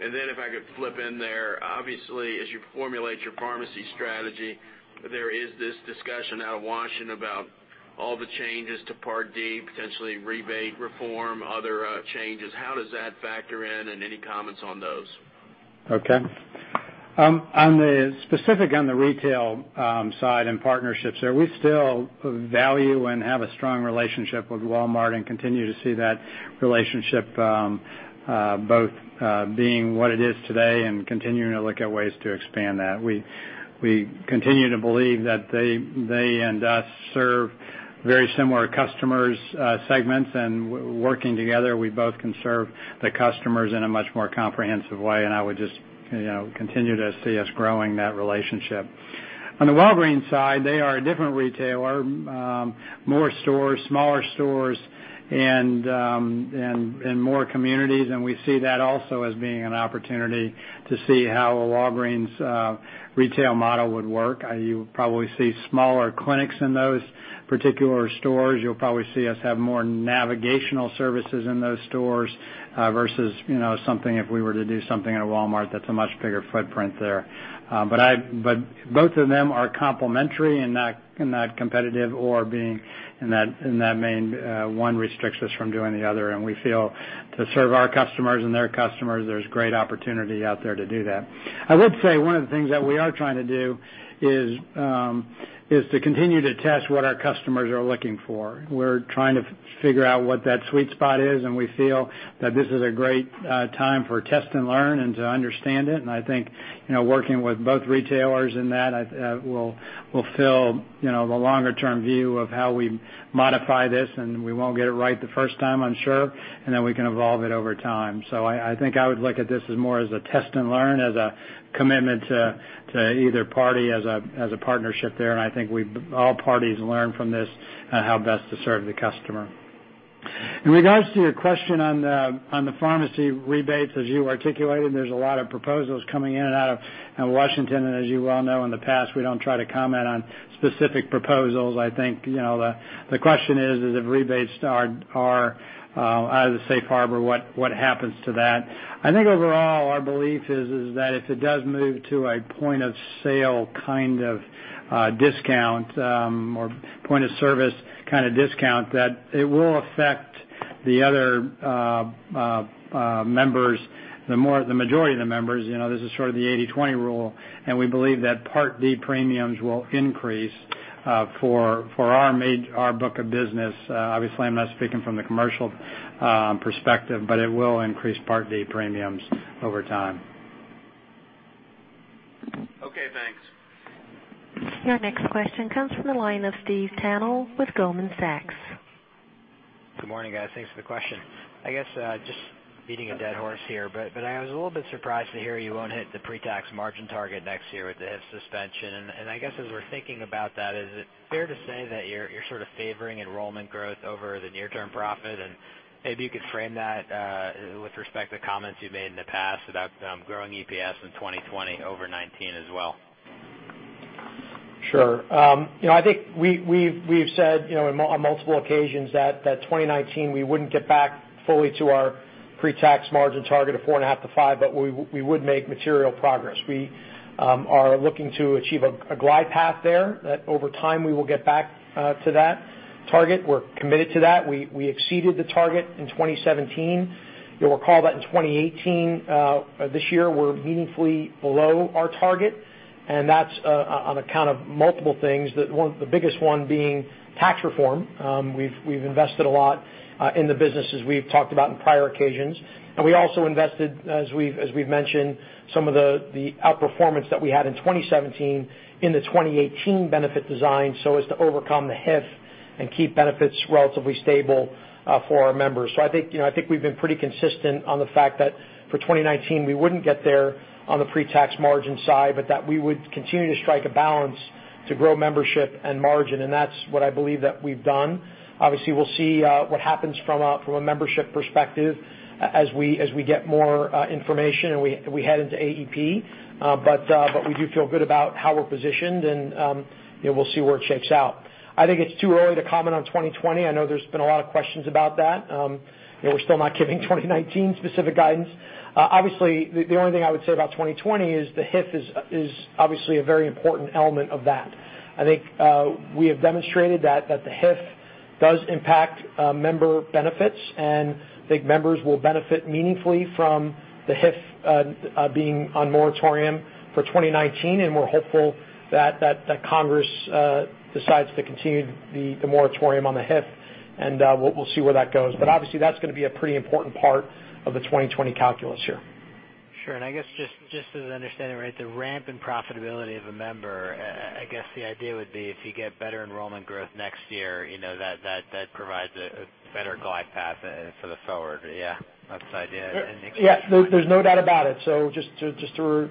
And then if I could flip in there, obviously, as you formulate your pharmacy strategy, there is this discussion out of Washington about all the changes to Part D, potentially rebate reform, other changes. How does that factor in, and any comments on those? Okay. On the specific on the retail side and partnerships there, we still value and have a strong relationship with Walmart, and continue to see that relationship both being what it is today and continuing to look at ways to expand that. We continue to believe that they and us serve very similar customers segments, and working together, we both can serve the customers in a much more comprehensive way, and I would just continue to see us growing that relationship. On the Walgreens side, they are a different retailer, more stores, smaller stores, and more communities, and we see that also as being an opportunity to see how a Walgreens retail model would work. You probably see smaller clinics in those particular stores. You'll probably see us have more navigational services in those stores versus something if we were to do something at a Walmart that's a much bigger footprint there. Both of them are complementary and not competitive or being in that main one restricts us from doing the other, and we feel to serve our customers and their customers, there's great opportunity out there to do that. I would say one of the things that we are trying to do is to continue to test what our customers are looking for. We're trying to figure out what that sweet spot is, and we feel that this is a great time for test and learn and to understand it. I think working with both retailers in that will fill the longer-term view of how we modify this, and we won't get it right the first time, I'm sure, and then we can evolve it over time. I think I would look at this as more as a test and learn, as a commitment to either party as a partnership there, and I think all parties learn from this on how best to serve the customer. In regards to your question on the pharmacy rebates, as you articulated, there's a lot of proposals coming in and out of Washington, and as you well know, in the past, we don't try to comment on specific proposals. I think the question is, if rebates are out of the safe harbor, what happens to that? I think overall, our belief is that if it does move to a point of sale kind of discount or point of service kind of discount, that it will affect the other members, the majority of the members. This is sort of the 80/20 rule, and we believe that Part D premiums will increase for our book of business. Obviously, I'm not speaking from the commercial perspective, but it will increase Part D premiums over time. Okay, thanks. Your next question comes from the line of Stephen Tanal with Goldman Sachs. Good morning, guys. Thanks for the question. I guess just beating a dead horse here. I was a little bit surprised to hear you won't hit the pre-tax margin target next year with the HIF suspension. I guess as we're thinking about that, is it fair to say that you're sort of favoring enrollment growth over the near-term profit? Maybe you could frame that with respect to comments you've made in the past about growing EPS in 2020 over 2019 as well. Sure. I think we've said on multiple occasions that 2019, we wouldn't get back fully to our pre-tax margin target of 4.5%-5%, but we would make material progress. We are looking to achieve a glide path there that over time we will get back to that target. We're committed to that. We exceeded the target in 2017. You'll recall that in 2018, this year, we're meaningfully below our target, and that's on account of multiple things. The biggest one being tax reform. We've invested a lot in the business as we've talked about on prior occasions, and we also invested, as we've mentioned, some of the outperformance that we had in 2017 in the 2018 benefit design, so as to overcome the HIF and keep benefits relatively stable for our members. I think we've been pretty consistent on the fact that for 2019, we wouldn't get there on the pre-tax margin side, but that we would continue to strike a balance to grow membership and margin, and that's what I believe that we've done. Obviously, we'll see what happens from a membership perspective as we get more information and we head into AEP. We do feel good about how we're positioned and we'll see where it shakes out. I think it's too early to comment on 2020. I know there's been a lot of questions about that. We're still not giving 2019 specific guidance. Obviously, the only thing I would say about 2020 is the HIF is obviously a very important element of that. I think we have demonstrated that the HIF Does impact member benefits. I think members will benefit meaningfully from the HIF being on moratorium for 2019. We're hopeful that Congress decides to continue the moratorium on the HIF. We'll see where that goes. Obviously, that's going to be a pretty important part of the 2020 calculus here. Sure. I guess just as an understanding, right, the ramp in profitability of a member, I guess the idea would be if you get better enrollment growth next year, that provides a better glide path for the forward. Yeah. That's the idea. Yeah. There's no doubt about it. Just to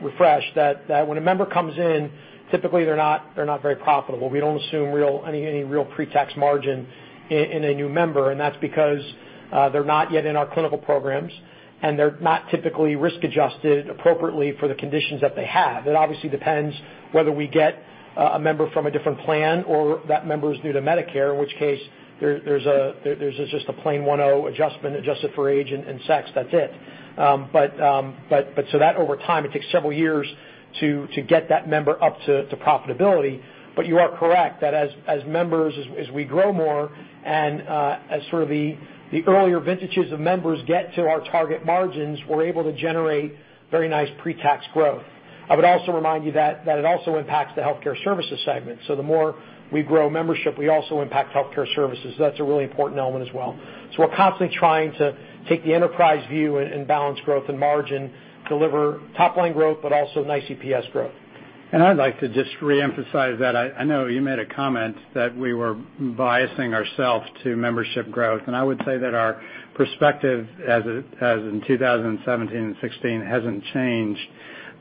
refresh, that when a member comes in, typically they're not very profitable. We don't assume any real pre-tax margin in a new member. That's because they're not yet in our clinical programs. They're not typically risk adjusted appropriately for the conditions that they have. It obviously depends whether we get a member from a different plan or that member is new to Medicare, in which case there's just a plain 10 adjustment, adjusted for age and sex. That's it. That over time, it takes several years to get that member up to profitability. You are correct that as members, as we grow more and as sort of the earlier vintages of members get to our target margins, we're able to generate very nice pre-tax growth. I would also remind you that it also impacts the healthcare services segment. The more we grow membership, we also impact healthcare services. That's a really important element as well. We're constantly trying to take the enterprise view and balance growth and margin, deliver top line growth, but also nice EPS growth. I'd like to just reemphasize that. I know you made a comment that we were biasing ourselves to membership growth, I would say that our perspective, as in 2017 and 2016, hasn't changed,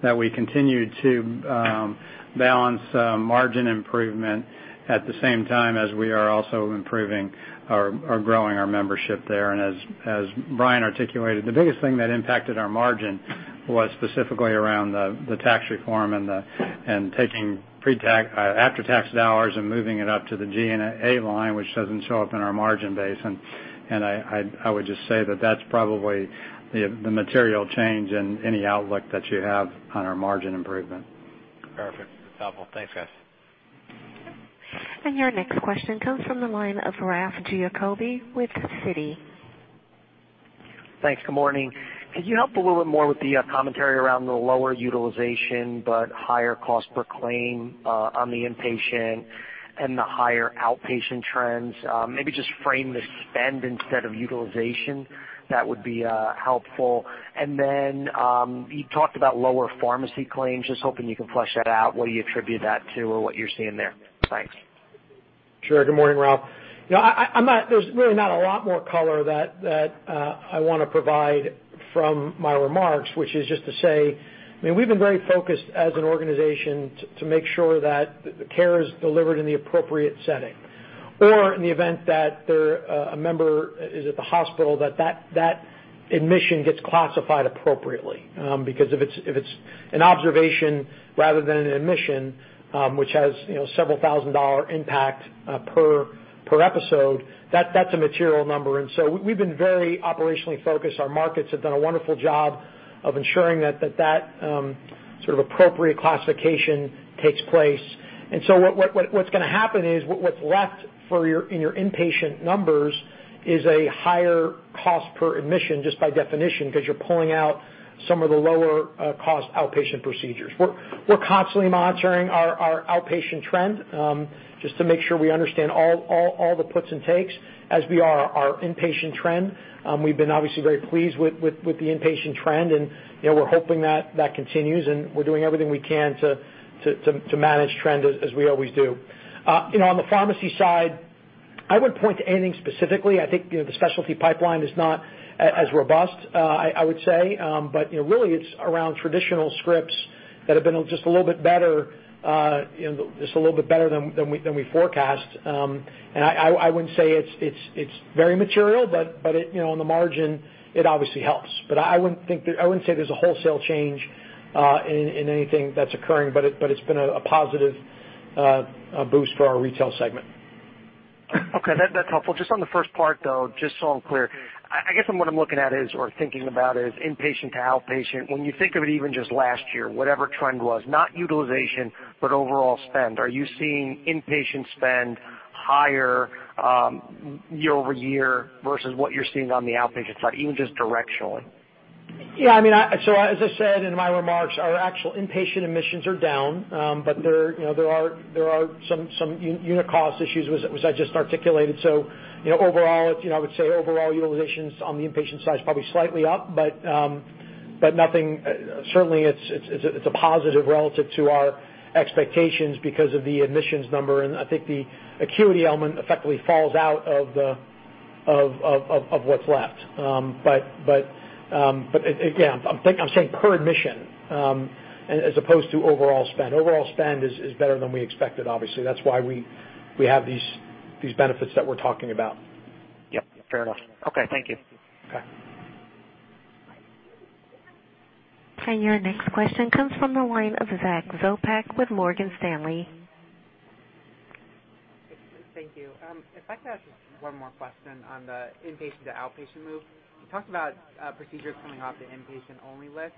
that we continue to balance margin improvement at the same time as we are also improving or growing our membership there. As Brian articulated, the biggest thing that impacted our margin was specifically around the tax reform and taking after-tax dollars and moving it up to the G&A line, which doesn't show up in our margin base. I would just say that that's probably the material change in any outlook that you have on our margin improvement. Perfect. That's helpful. Thanks, guys. Your next question comes from the line of Ralph Giacobbe with Citi. Thanks. Good morning. Could you help a little bit more with the commentary around the lower utilization but higher cost per claim on the inpatient and the higher outpatient trends? Maybe just frame the spend instead of utilization. That would be helpful. Then you talked about lower pharmacy claims. Just hoping you can flesh that out, what do you attribute that to or what you're seeing there. Thanks. Sure. Good morning, Ralph. There's really not a lot more color that I want to provide from my remarks, which is just to say, we've been very focused as an organization to make sure that the care is delivered in the appropriate setting. Or in the event that a member is at the hospital, that that admission gets classified appropriately. Because if it's an observation rather than an admission, which has several thousand dollar impact per episode, that's a material number in. We've been very operationally focused. Our markets have done a wonderful job of ensuring that that sort of appropriate classification takes place. What's going to happen is, what's left in your inpatient numbers is a higher cost per admission, just by definition, because you're pulling out some of the lower cost outpatient procedures. We're constantly monitoring our outpatient trend, just to make sure we understand all the puts and takes as we are our inpatient trend. We've been obviously very pleased with the inpatient trend, and we're hoping that continues, and we're doing everything we can to manage trend as we always do. On the pharmacy side, I wouldn't point to anything specifically. I think the specialty pipeline is not as robust, I would say. Really it's around traditional scripts that have been just a little bit better than we forecast. I wouldn't say it's very material, but on the margin, it obviously helps. I wouldn't say there's a wholesale change in anything that's occurring, but it's been a positive boost for our retail segment. Okay. That's helpful. Just on the first part, though, just so I'm clear. I guess what I'm looking at is, or thinking about is, inpatient to outpatient. When you think of it even just last year, whatever trend was, not utilization, but overall spend. Are you seeing inpatient spend higher year-over-year versus what you're seeing on the outpatient side, even just directionally? Yeah. As I said in my remarks, our actual inpatient admissions are down, but there are some unit cost issues, as I just articulated. I would say overall utilization on the inpatient side is probably slightly up, but certainly it's a positive relative to our expectations because of the admissions number, and I think the acuity element effectively falls out of what's left. Again, I'm saying per admission as opposed to overall spend. Overall spend is better than we expected, obviously. That's why we have these benefits that we're talking about. Yep. Fair enough. Okay. Thank you. Okay. Your next question comes from the line of Zachary Sopcak with Morgan Stanley. Thank you. If I could ask just one more question on the inpatient to outpatient move. You talked about procedures coming off the inpatient-only list.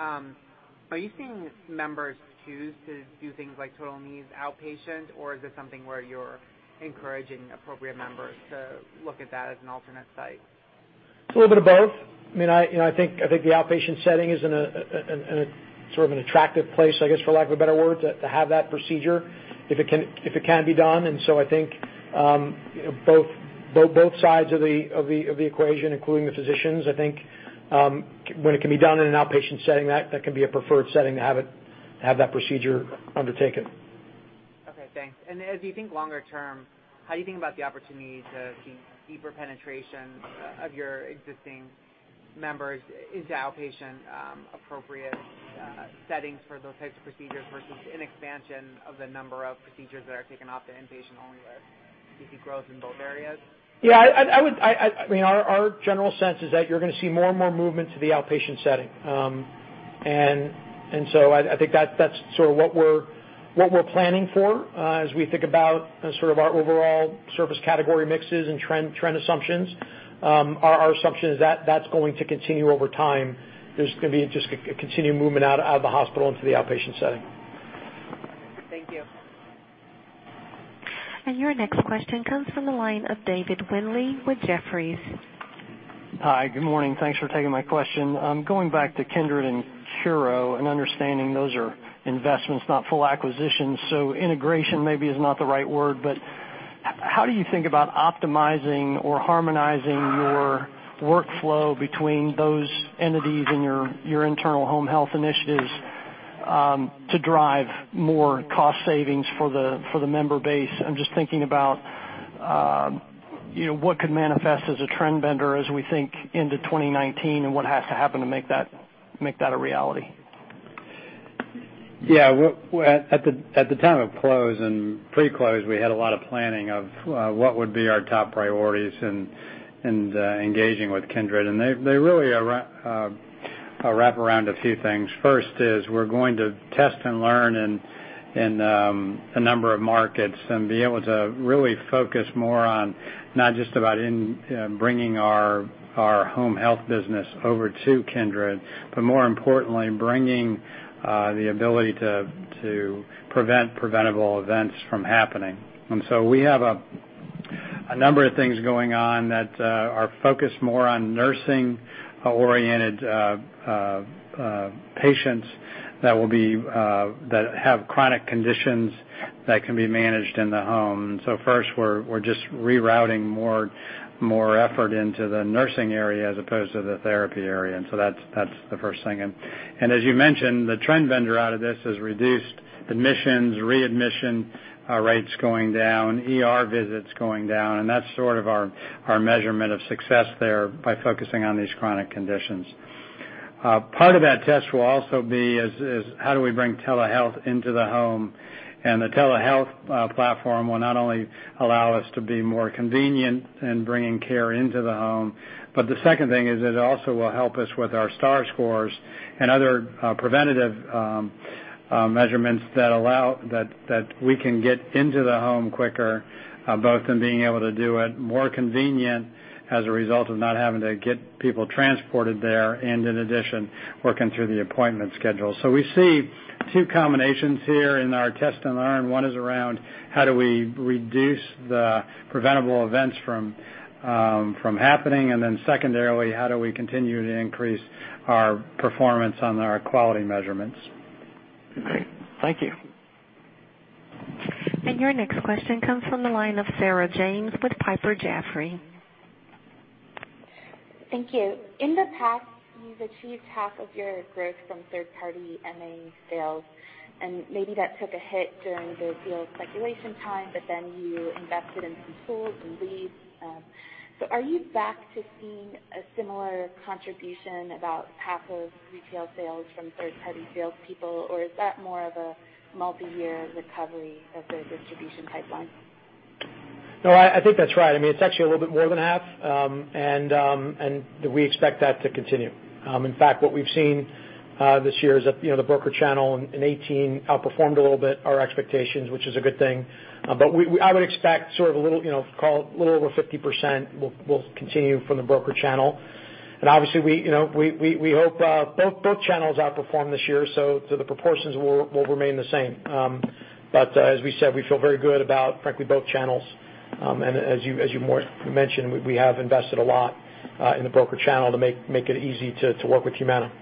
Are you seeing members choose to do things like total knees outpatient, or is it something where you're encouraging appropriate members to look at that as an alternate site? It's a little bit of both. I think the outpatient setting is in a sort of an attractive place, I guess, for lack of a better word, to have that procedure if it can be done. I think both sides of the equation, including the physicians, I think, when it can be done in an outpatient setting, that can be a preferred setting to have that procedure undertaken. Okay, thanks. As you think longer term, how do you think about the opportunity to see deeper penetration of your existing members into outpatient appropriate settings for those types of procedures versus an expansion of the number of procedures that are taken off the inpatient-only list? Do you see growth in both areas? Yeah. Our general sense is that you're going to see more and more movement to the outpatient setting. I think that's sort of what we're planning for as we think about sort of our overall service category mixes and trend assumptions. Our assumption is that that's going to continue over time. There's going to be just a continued movement out of the hospital into the outpatient setting. Thank you. Your next question comes from the line of David Windley with Jefferies. Hi. Good morning. Thanks for taking my question. Going back to Kindred and Curo and understanding those are investments, not full acquisitions, so integration maybe is not the right word, but how do you think about optimizing or harmonizing your workflow between those entities and your internal home health initiatives to drive more cost savings for the member base? I'm just thinking about what could manifest as a trend bender as we think into 2019, and what has to happen to make that a reality. At the time of close and pre-close, we had a lot of planning of what would be our top priorities in engaging with Kindred. They really wrap around a few things. First is we're going to test and learn in a number of markets and be able to really focus more on not just about bringing our home health business over to Kindred, but more importantly, bringing the ability to prevent preventable events from happening. We have a number of things going on that are focused more on nursing-oriented patients that have chronic conditions that can be managed in the home. First, we're just rerouting more effort into the nursing area as opposed to the therapy area, and so that's the first thing. As you mentioned, the trend bender out of this is reduced admissions, readmission rates going down, ER visits going down, and that's sort of our measurement of success there by focusing on these chronic conditions. Part of that test will also be is how do we bring telehealth into the home? The telehealth platform will not only allow us to be more convenient in bringing care into the home, but the second thing is it also will help us with our star scores and other preventative measurements that we can get into the home quicker, both in being able to do it more convenient as a result of not having to get people transported there, and in addition, working through the appointment schedule. We see two combinations here in our test and learn. One is around how do we reduce the preventable events from happening, secondarily, how do we continue to increase our performance on our quality measurements? Great. Thank you. Your next question comes from the line of Sarah James with Piper Jaffray. Thank you. In the past, you've achieved half of your growth from third party MA sales, maybe that took a hit during the deal circulation time, you invested in some tools and leads. Are you back to seeing a similar contribution about half of retail sales from third party salespeople, is that more of a multi-year recovery of the distribution pipeline? No, I think that's right. It's actually a little bit more than half, and we expect that to continue. In fact, what we've seen this year is that the broker channel in 2018 outperformed a little bit our expectations, which is a good thing. I would expect sort of a little over 50% will continue from the broker channel. Obviously, we hope both channels outperform this year, so the proportions will remain the same. As we said, we feel very good about, frankly, both channels. As you mentioned, we have invested a lot in the broker channel to make it easy to work with Humana.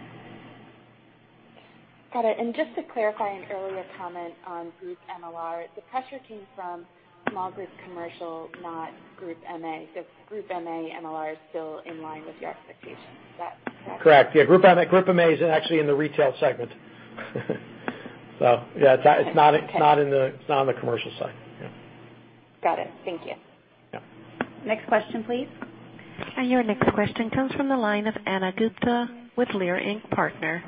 Got it. Just to clarify an earlier comment on Group MLR. The pressure came from small group commercial, not Group MA, because Group MA MLR is still in line with your expectations. Is that correct? Correct. Yeah. Group MA is actually in the retail segment. Yeah, it's not in the commercial side. Yeah. Got it. Thank you. Yeah. Next question, please. Your next question comes from the line of Ana Gupte with Leerink Partners.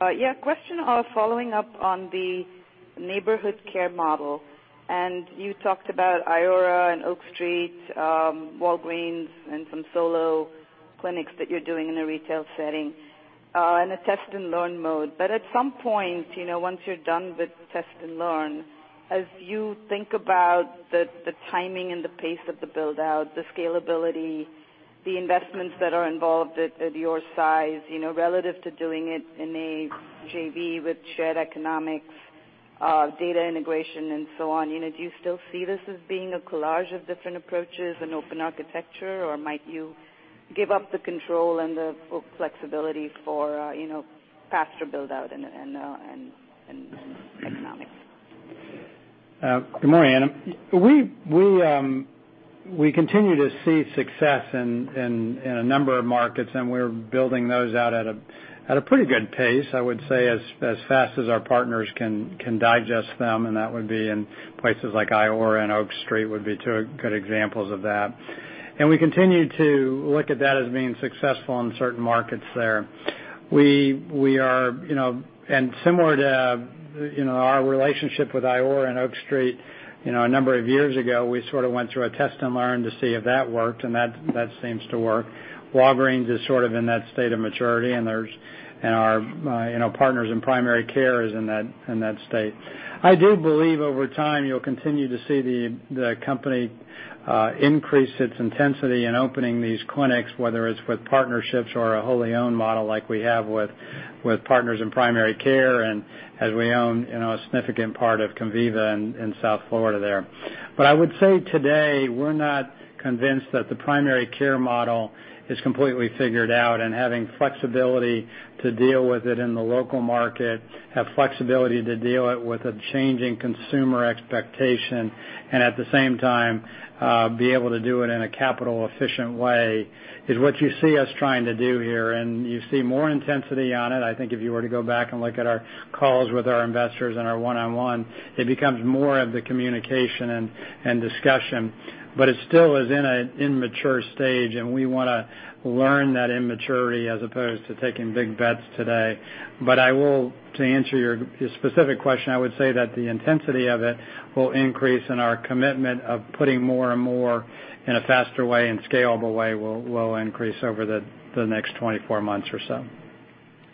Yeah, question of following up on the neighborhood care model, you talked about Iora and Oak Street, Walgreens, and some solo clinics that you're doing in a retail setting in a test and learn mode. At some point, once you're done with test and learn, as you think about the timing and the pace of the build-out, the scalability, the investments that are involved at your size, relative to doing it in a JV with shared economics, data integration, and so on. Do you still see this as being a collage of different approaches and open architecture, or might you give up the control and the full flexibility for faster build-out and economics? Good morning, Ana. We continue to see success in a number of markets, we're building those out at a pretty good pace, I would say, as fast as our partners can digest them, that would be in places like Iora and Oak Street would be two good examples of that. We continue to look at that as being successful in certain markets there. Similar to our relationship with Iora and Oak Street, a number of years ago, we sort of went through a test and learn to see if that worked, that seems to work. Walgreens is sort of in that state of maturity, and our Partners in Primary Care is in that state. I do believe over time, you'll continue to see the company increase its intensity in opening these clinics, whether it's with partnerships or a wholly owned model like we have with Partners in Primary Care, as we own a significant part of Conviva in South Florida there. I would say today, we're not convinced that the primary care model is completely figured out, having flexibility to deal with it in the local market, have flexibility to deal it with a changing consumer expectation, and at the same time, be able to do it in a capital efficient way is what you see us trying to do here. You see more intensity on it. I think if you were to go back and look at our calls with our investors and our one-on-one, it becomes more of the communication and discussion. It still is in an immature stage, and we want to learn that immaturity as opposed to taking big bets today. To answer your specific question, I would say that the intensity of it will increase and our commitment of putting more and more in a faster way and scalable way will increase over the next 24 months or so.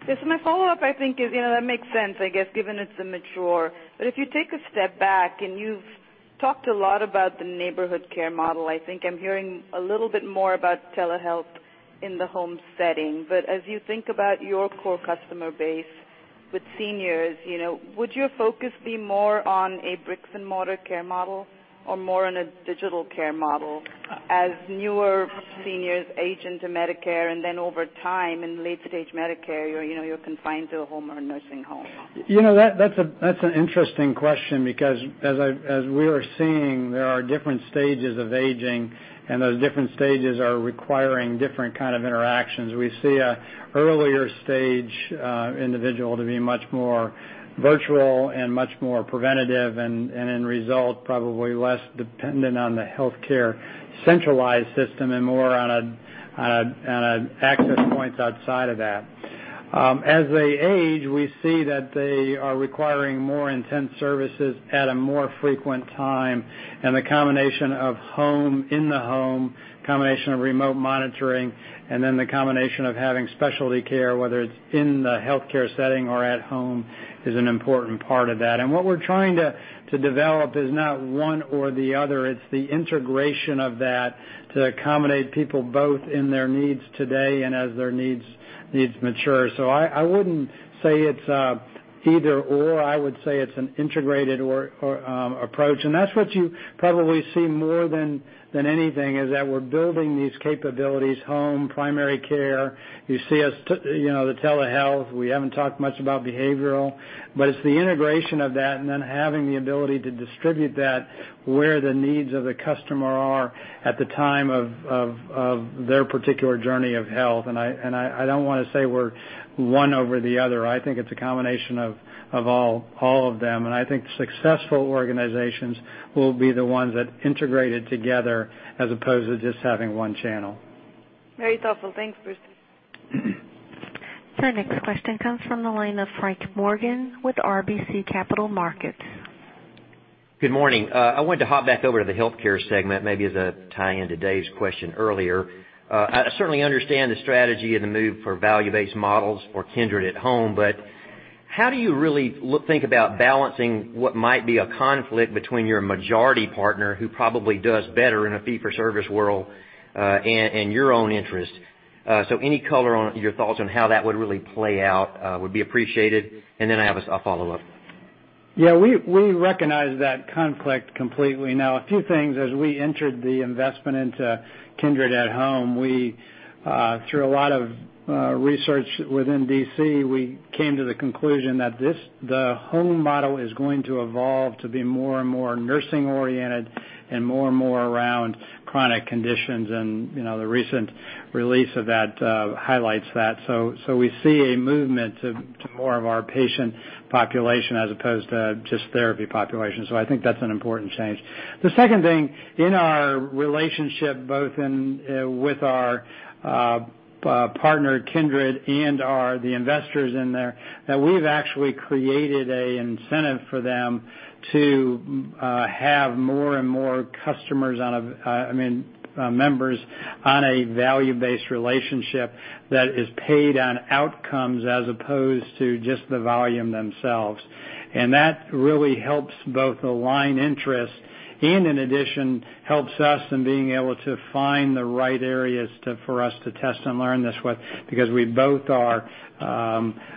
Yes. My follow-up, I think is, that makes sense, given it's immature. If you take a step back, and you've talked a lot about the neighborhood care model, I think I'm hearing a little bit more about telehealth in the home setting. As you think about your core customer base with seniors, would your focus be more on a bricks-and-mortar care model or more on a digital care model as newer seniors age into Medicare, and then over time, in late-stage Medicare, you're confined to a home or a nursing home? That's an interesting question because as we are seeing, there are different stages of aging, and those different stages are requiring different kind of interactions. We see an earlier stage individual to be much more virtual and much more preventative, and end result, probably less dependent on the healthcare centralized system and more on access points outside of that. As they age, we see that they are requiring more intense services at a more frequent time, and the combination of home, in the home, combination of remote monitoring, and then the combination of having specialty care, whether it's in the healthcare setting or at home, is an important part of that. What we're trying to develop is not one or the other. It's the integration of that to accommodate people both in their needs today and as their needs mature. I wouldn't say it's either/or. I would say it's an integrated approach, and that's what you probably see more than anything, is that we're building these capabilities, home, primary care. You see us, the telehealth. We haven't talked much about behavioral. It's the integration of that, and then having the ability to distribute that where the needs of the customer are at the time of their particular journey of health. I don't want to say we're one over the other. I think it's a combination of all of them, and I think successful organizations will be the ones that integrate it together as opposed to just having one channel. Very thoughtful. Thanks, Bruce. Our next question comes from the line of Frank Morgan with RBC Capital Markets. Good morning. I wanted to hop back over to the healthcare segment, maybe as a tie-in to Dave's question earlier. I certainly understand the strategy and the move for value-based models for Kindred at Home, how do you really think about balancing what might be a conflict between your majority partner, who probably does better in a fee-for-service world, and your own interest? Any color on your thoughts on how that would really play out would be appreciated. Then I have a follow-up. Yeah, we recognize that conflict completely. A few things, as we entered the investment into Kindred at Home, through a lot of research within D.C., we came to the conclusion that the home model is going to evolve to be more and more nursing oriented and more and more around chronic conditions. The recent release of that highlights that. We see a movement to more of our patient population as opposed to just therapy population. I think that's an important change. The second thing, in our relationship, both with our partner, Kindred, and the investors in there, that we've actually created an incentive for them to have more and more members on a value-based relationship that is paid on outcomes as opposed to just the volume themselves. That really helps both align interest. In addition, helps us in being able to find the right areas for us to test and learn this way because we both are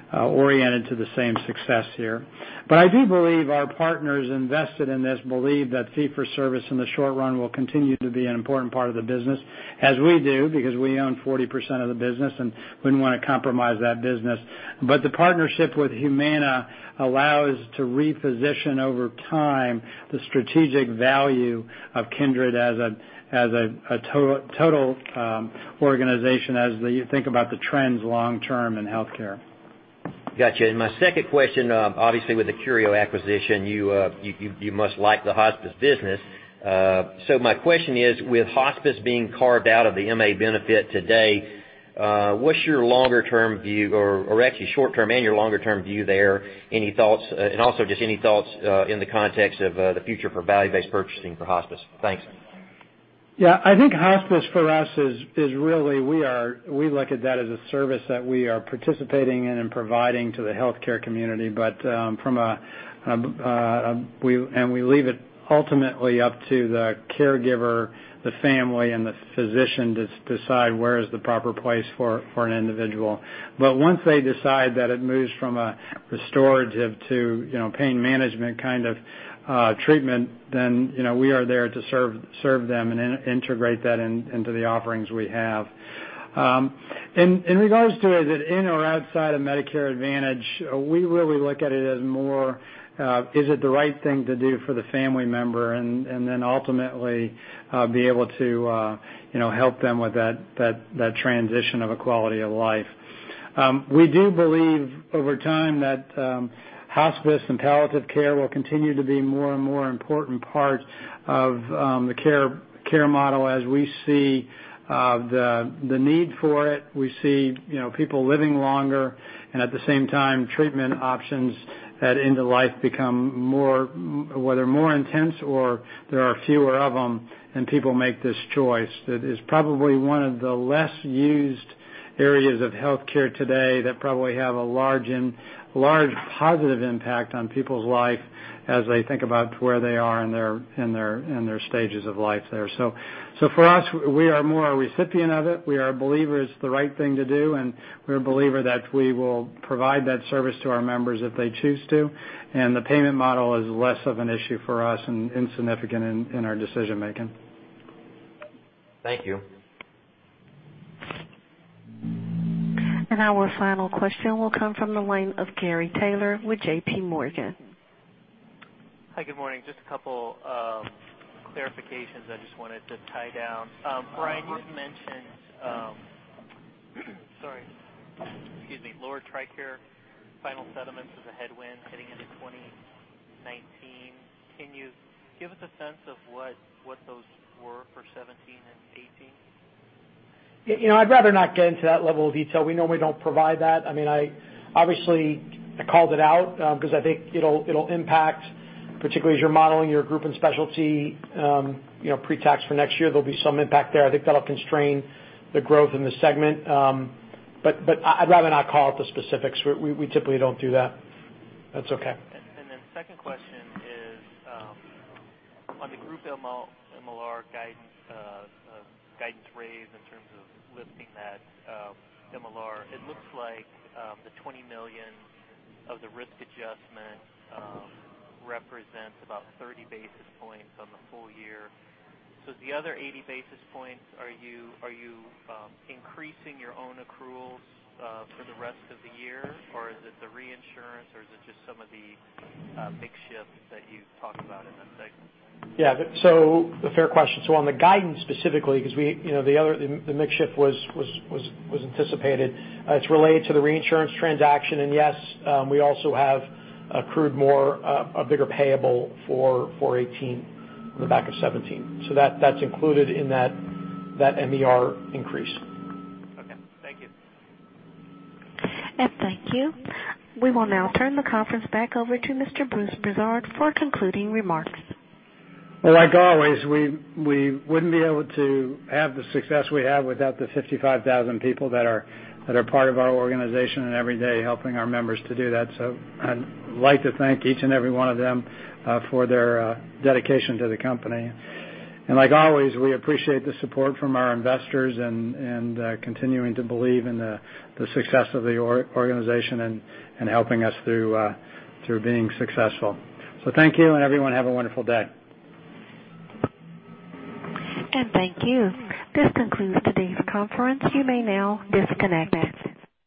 oriented to the same success here. I do believe our partners invested in this belief that fee for service in the short run will continue to be an important part of the business, as we do, because we own 40% of the business and wouldn't want to compromise that business. The partnership with Humana allows to reposition over time the strategic value of Kindred as a total organization, as you think about the trends long-term in healthcare. Got you. My second question, obviously, with the Curo acquisition, you must like the hospice business. My question is, with hospice being carved out of the MA benefit today, what's your longer-term view or actually short-term and your longer-term view there? Any thoughts? Also just any thoughts in the context of the future for value-based purchasing for hospice. Thanks. Yeah, I think hospice for us is really, we look at that as a service that we are participating in and providing to the healthcare community. We leave it ultimately up to the caregiver, the family, and the physician to decide where is the proper place for an individual. Once they decide that it moves from a restorative to pain management kind of treatment, then we are there to serve them and integrate that into the offerings we have. In regards to is it in or outside of Medicare Advantage, we really look at it as more, is it the right thing to do for the family member? Then ultimately be able to help them with that transition of a quality of life. We do believe over time that hospice and palliative care will continue to be more and more important part of the care model as we see the need for it. We see people living longer, and at the same time, treatment options at end of life become more, whether more intense or there are fewer of them, and people make this choice. That is probably one of the less used areas of healthcare today that probably have a large positive impact on people's life as they think about where they are in their stages of life there. For us, we are more a recipient of it. We are believers it's the right thing to do, and we're a believer that we will provide that service to our members if they choose to, and the payment model is less of an issue for us and insignificant in our decision-making. Thank you. Our final question will come from the line of Gary Taylor with JPMorgan. Hi, good morning. Just a couple of clarifications I just wanted to tie down. Brian, you had mentioned, sorry, excuse me, lower TRICARE final settlements as a headwind heading into 2019. Can you give us a sense of what those were for 2017 and 2018? I'd rather not get into that level of detail. We normally don't provide that. Obviously, I called it out because I think it'll impact, particularly as you're modeling your group and specialty pre-tax for next year. There'll be some impact there. I think that'll constrain the growth in the segment. I'd rather not call out the specifics. We typically don't do that. That's okay. Second question is, on the group MLR guidance raise in terms of lifting that MLR. It looks like the $20 million of the risk adjustment represents about 30 basis points on the full year. The other 80 basis points, are you increasing your own accruals for the rest of the year, or is it the reinsurance, or is it just some of the mix shift that you talked about in that segment? A fair question. On the guidance specifically, because the mix shift was anticipated. It's related to the reinsurance transaction. Yes, we also have accrued more, a bigger payable for 2018 on the back of 2017. That's included in that MBR increase. Okay, thank you. Thank you. We will now turn the conference back over to Mr. Bruce Broussard for concluding remarks. Well, like always, we wouldn't be able to have the success we have without the 55,000 people that are part of our organization and every day helping our members to do that. I'd like to thank each and every one of them for their dedication to the company. Like always, we appreciate the support from our investors and continuing to believe in the success of the organization and helping us through being successful. Thank you, and everyone, have a wonderful day. Thank you. This concludes today's conference. You may now disconnect.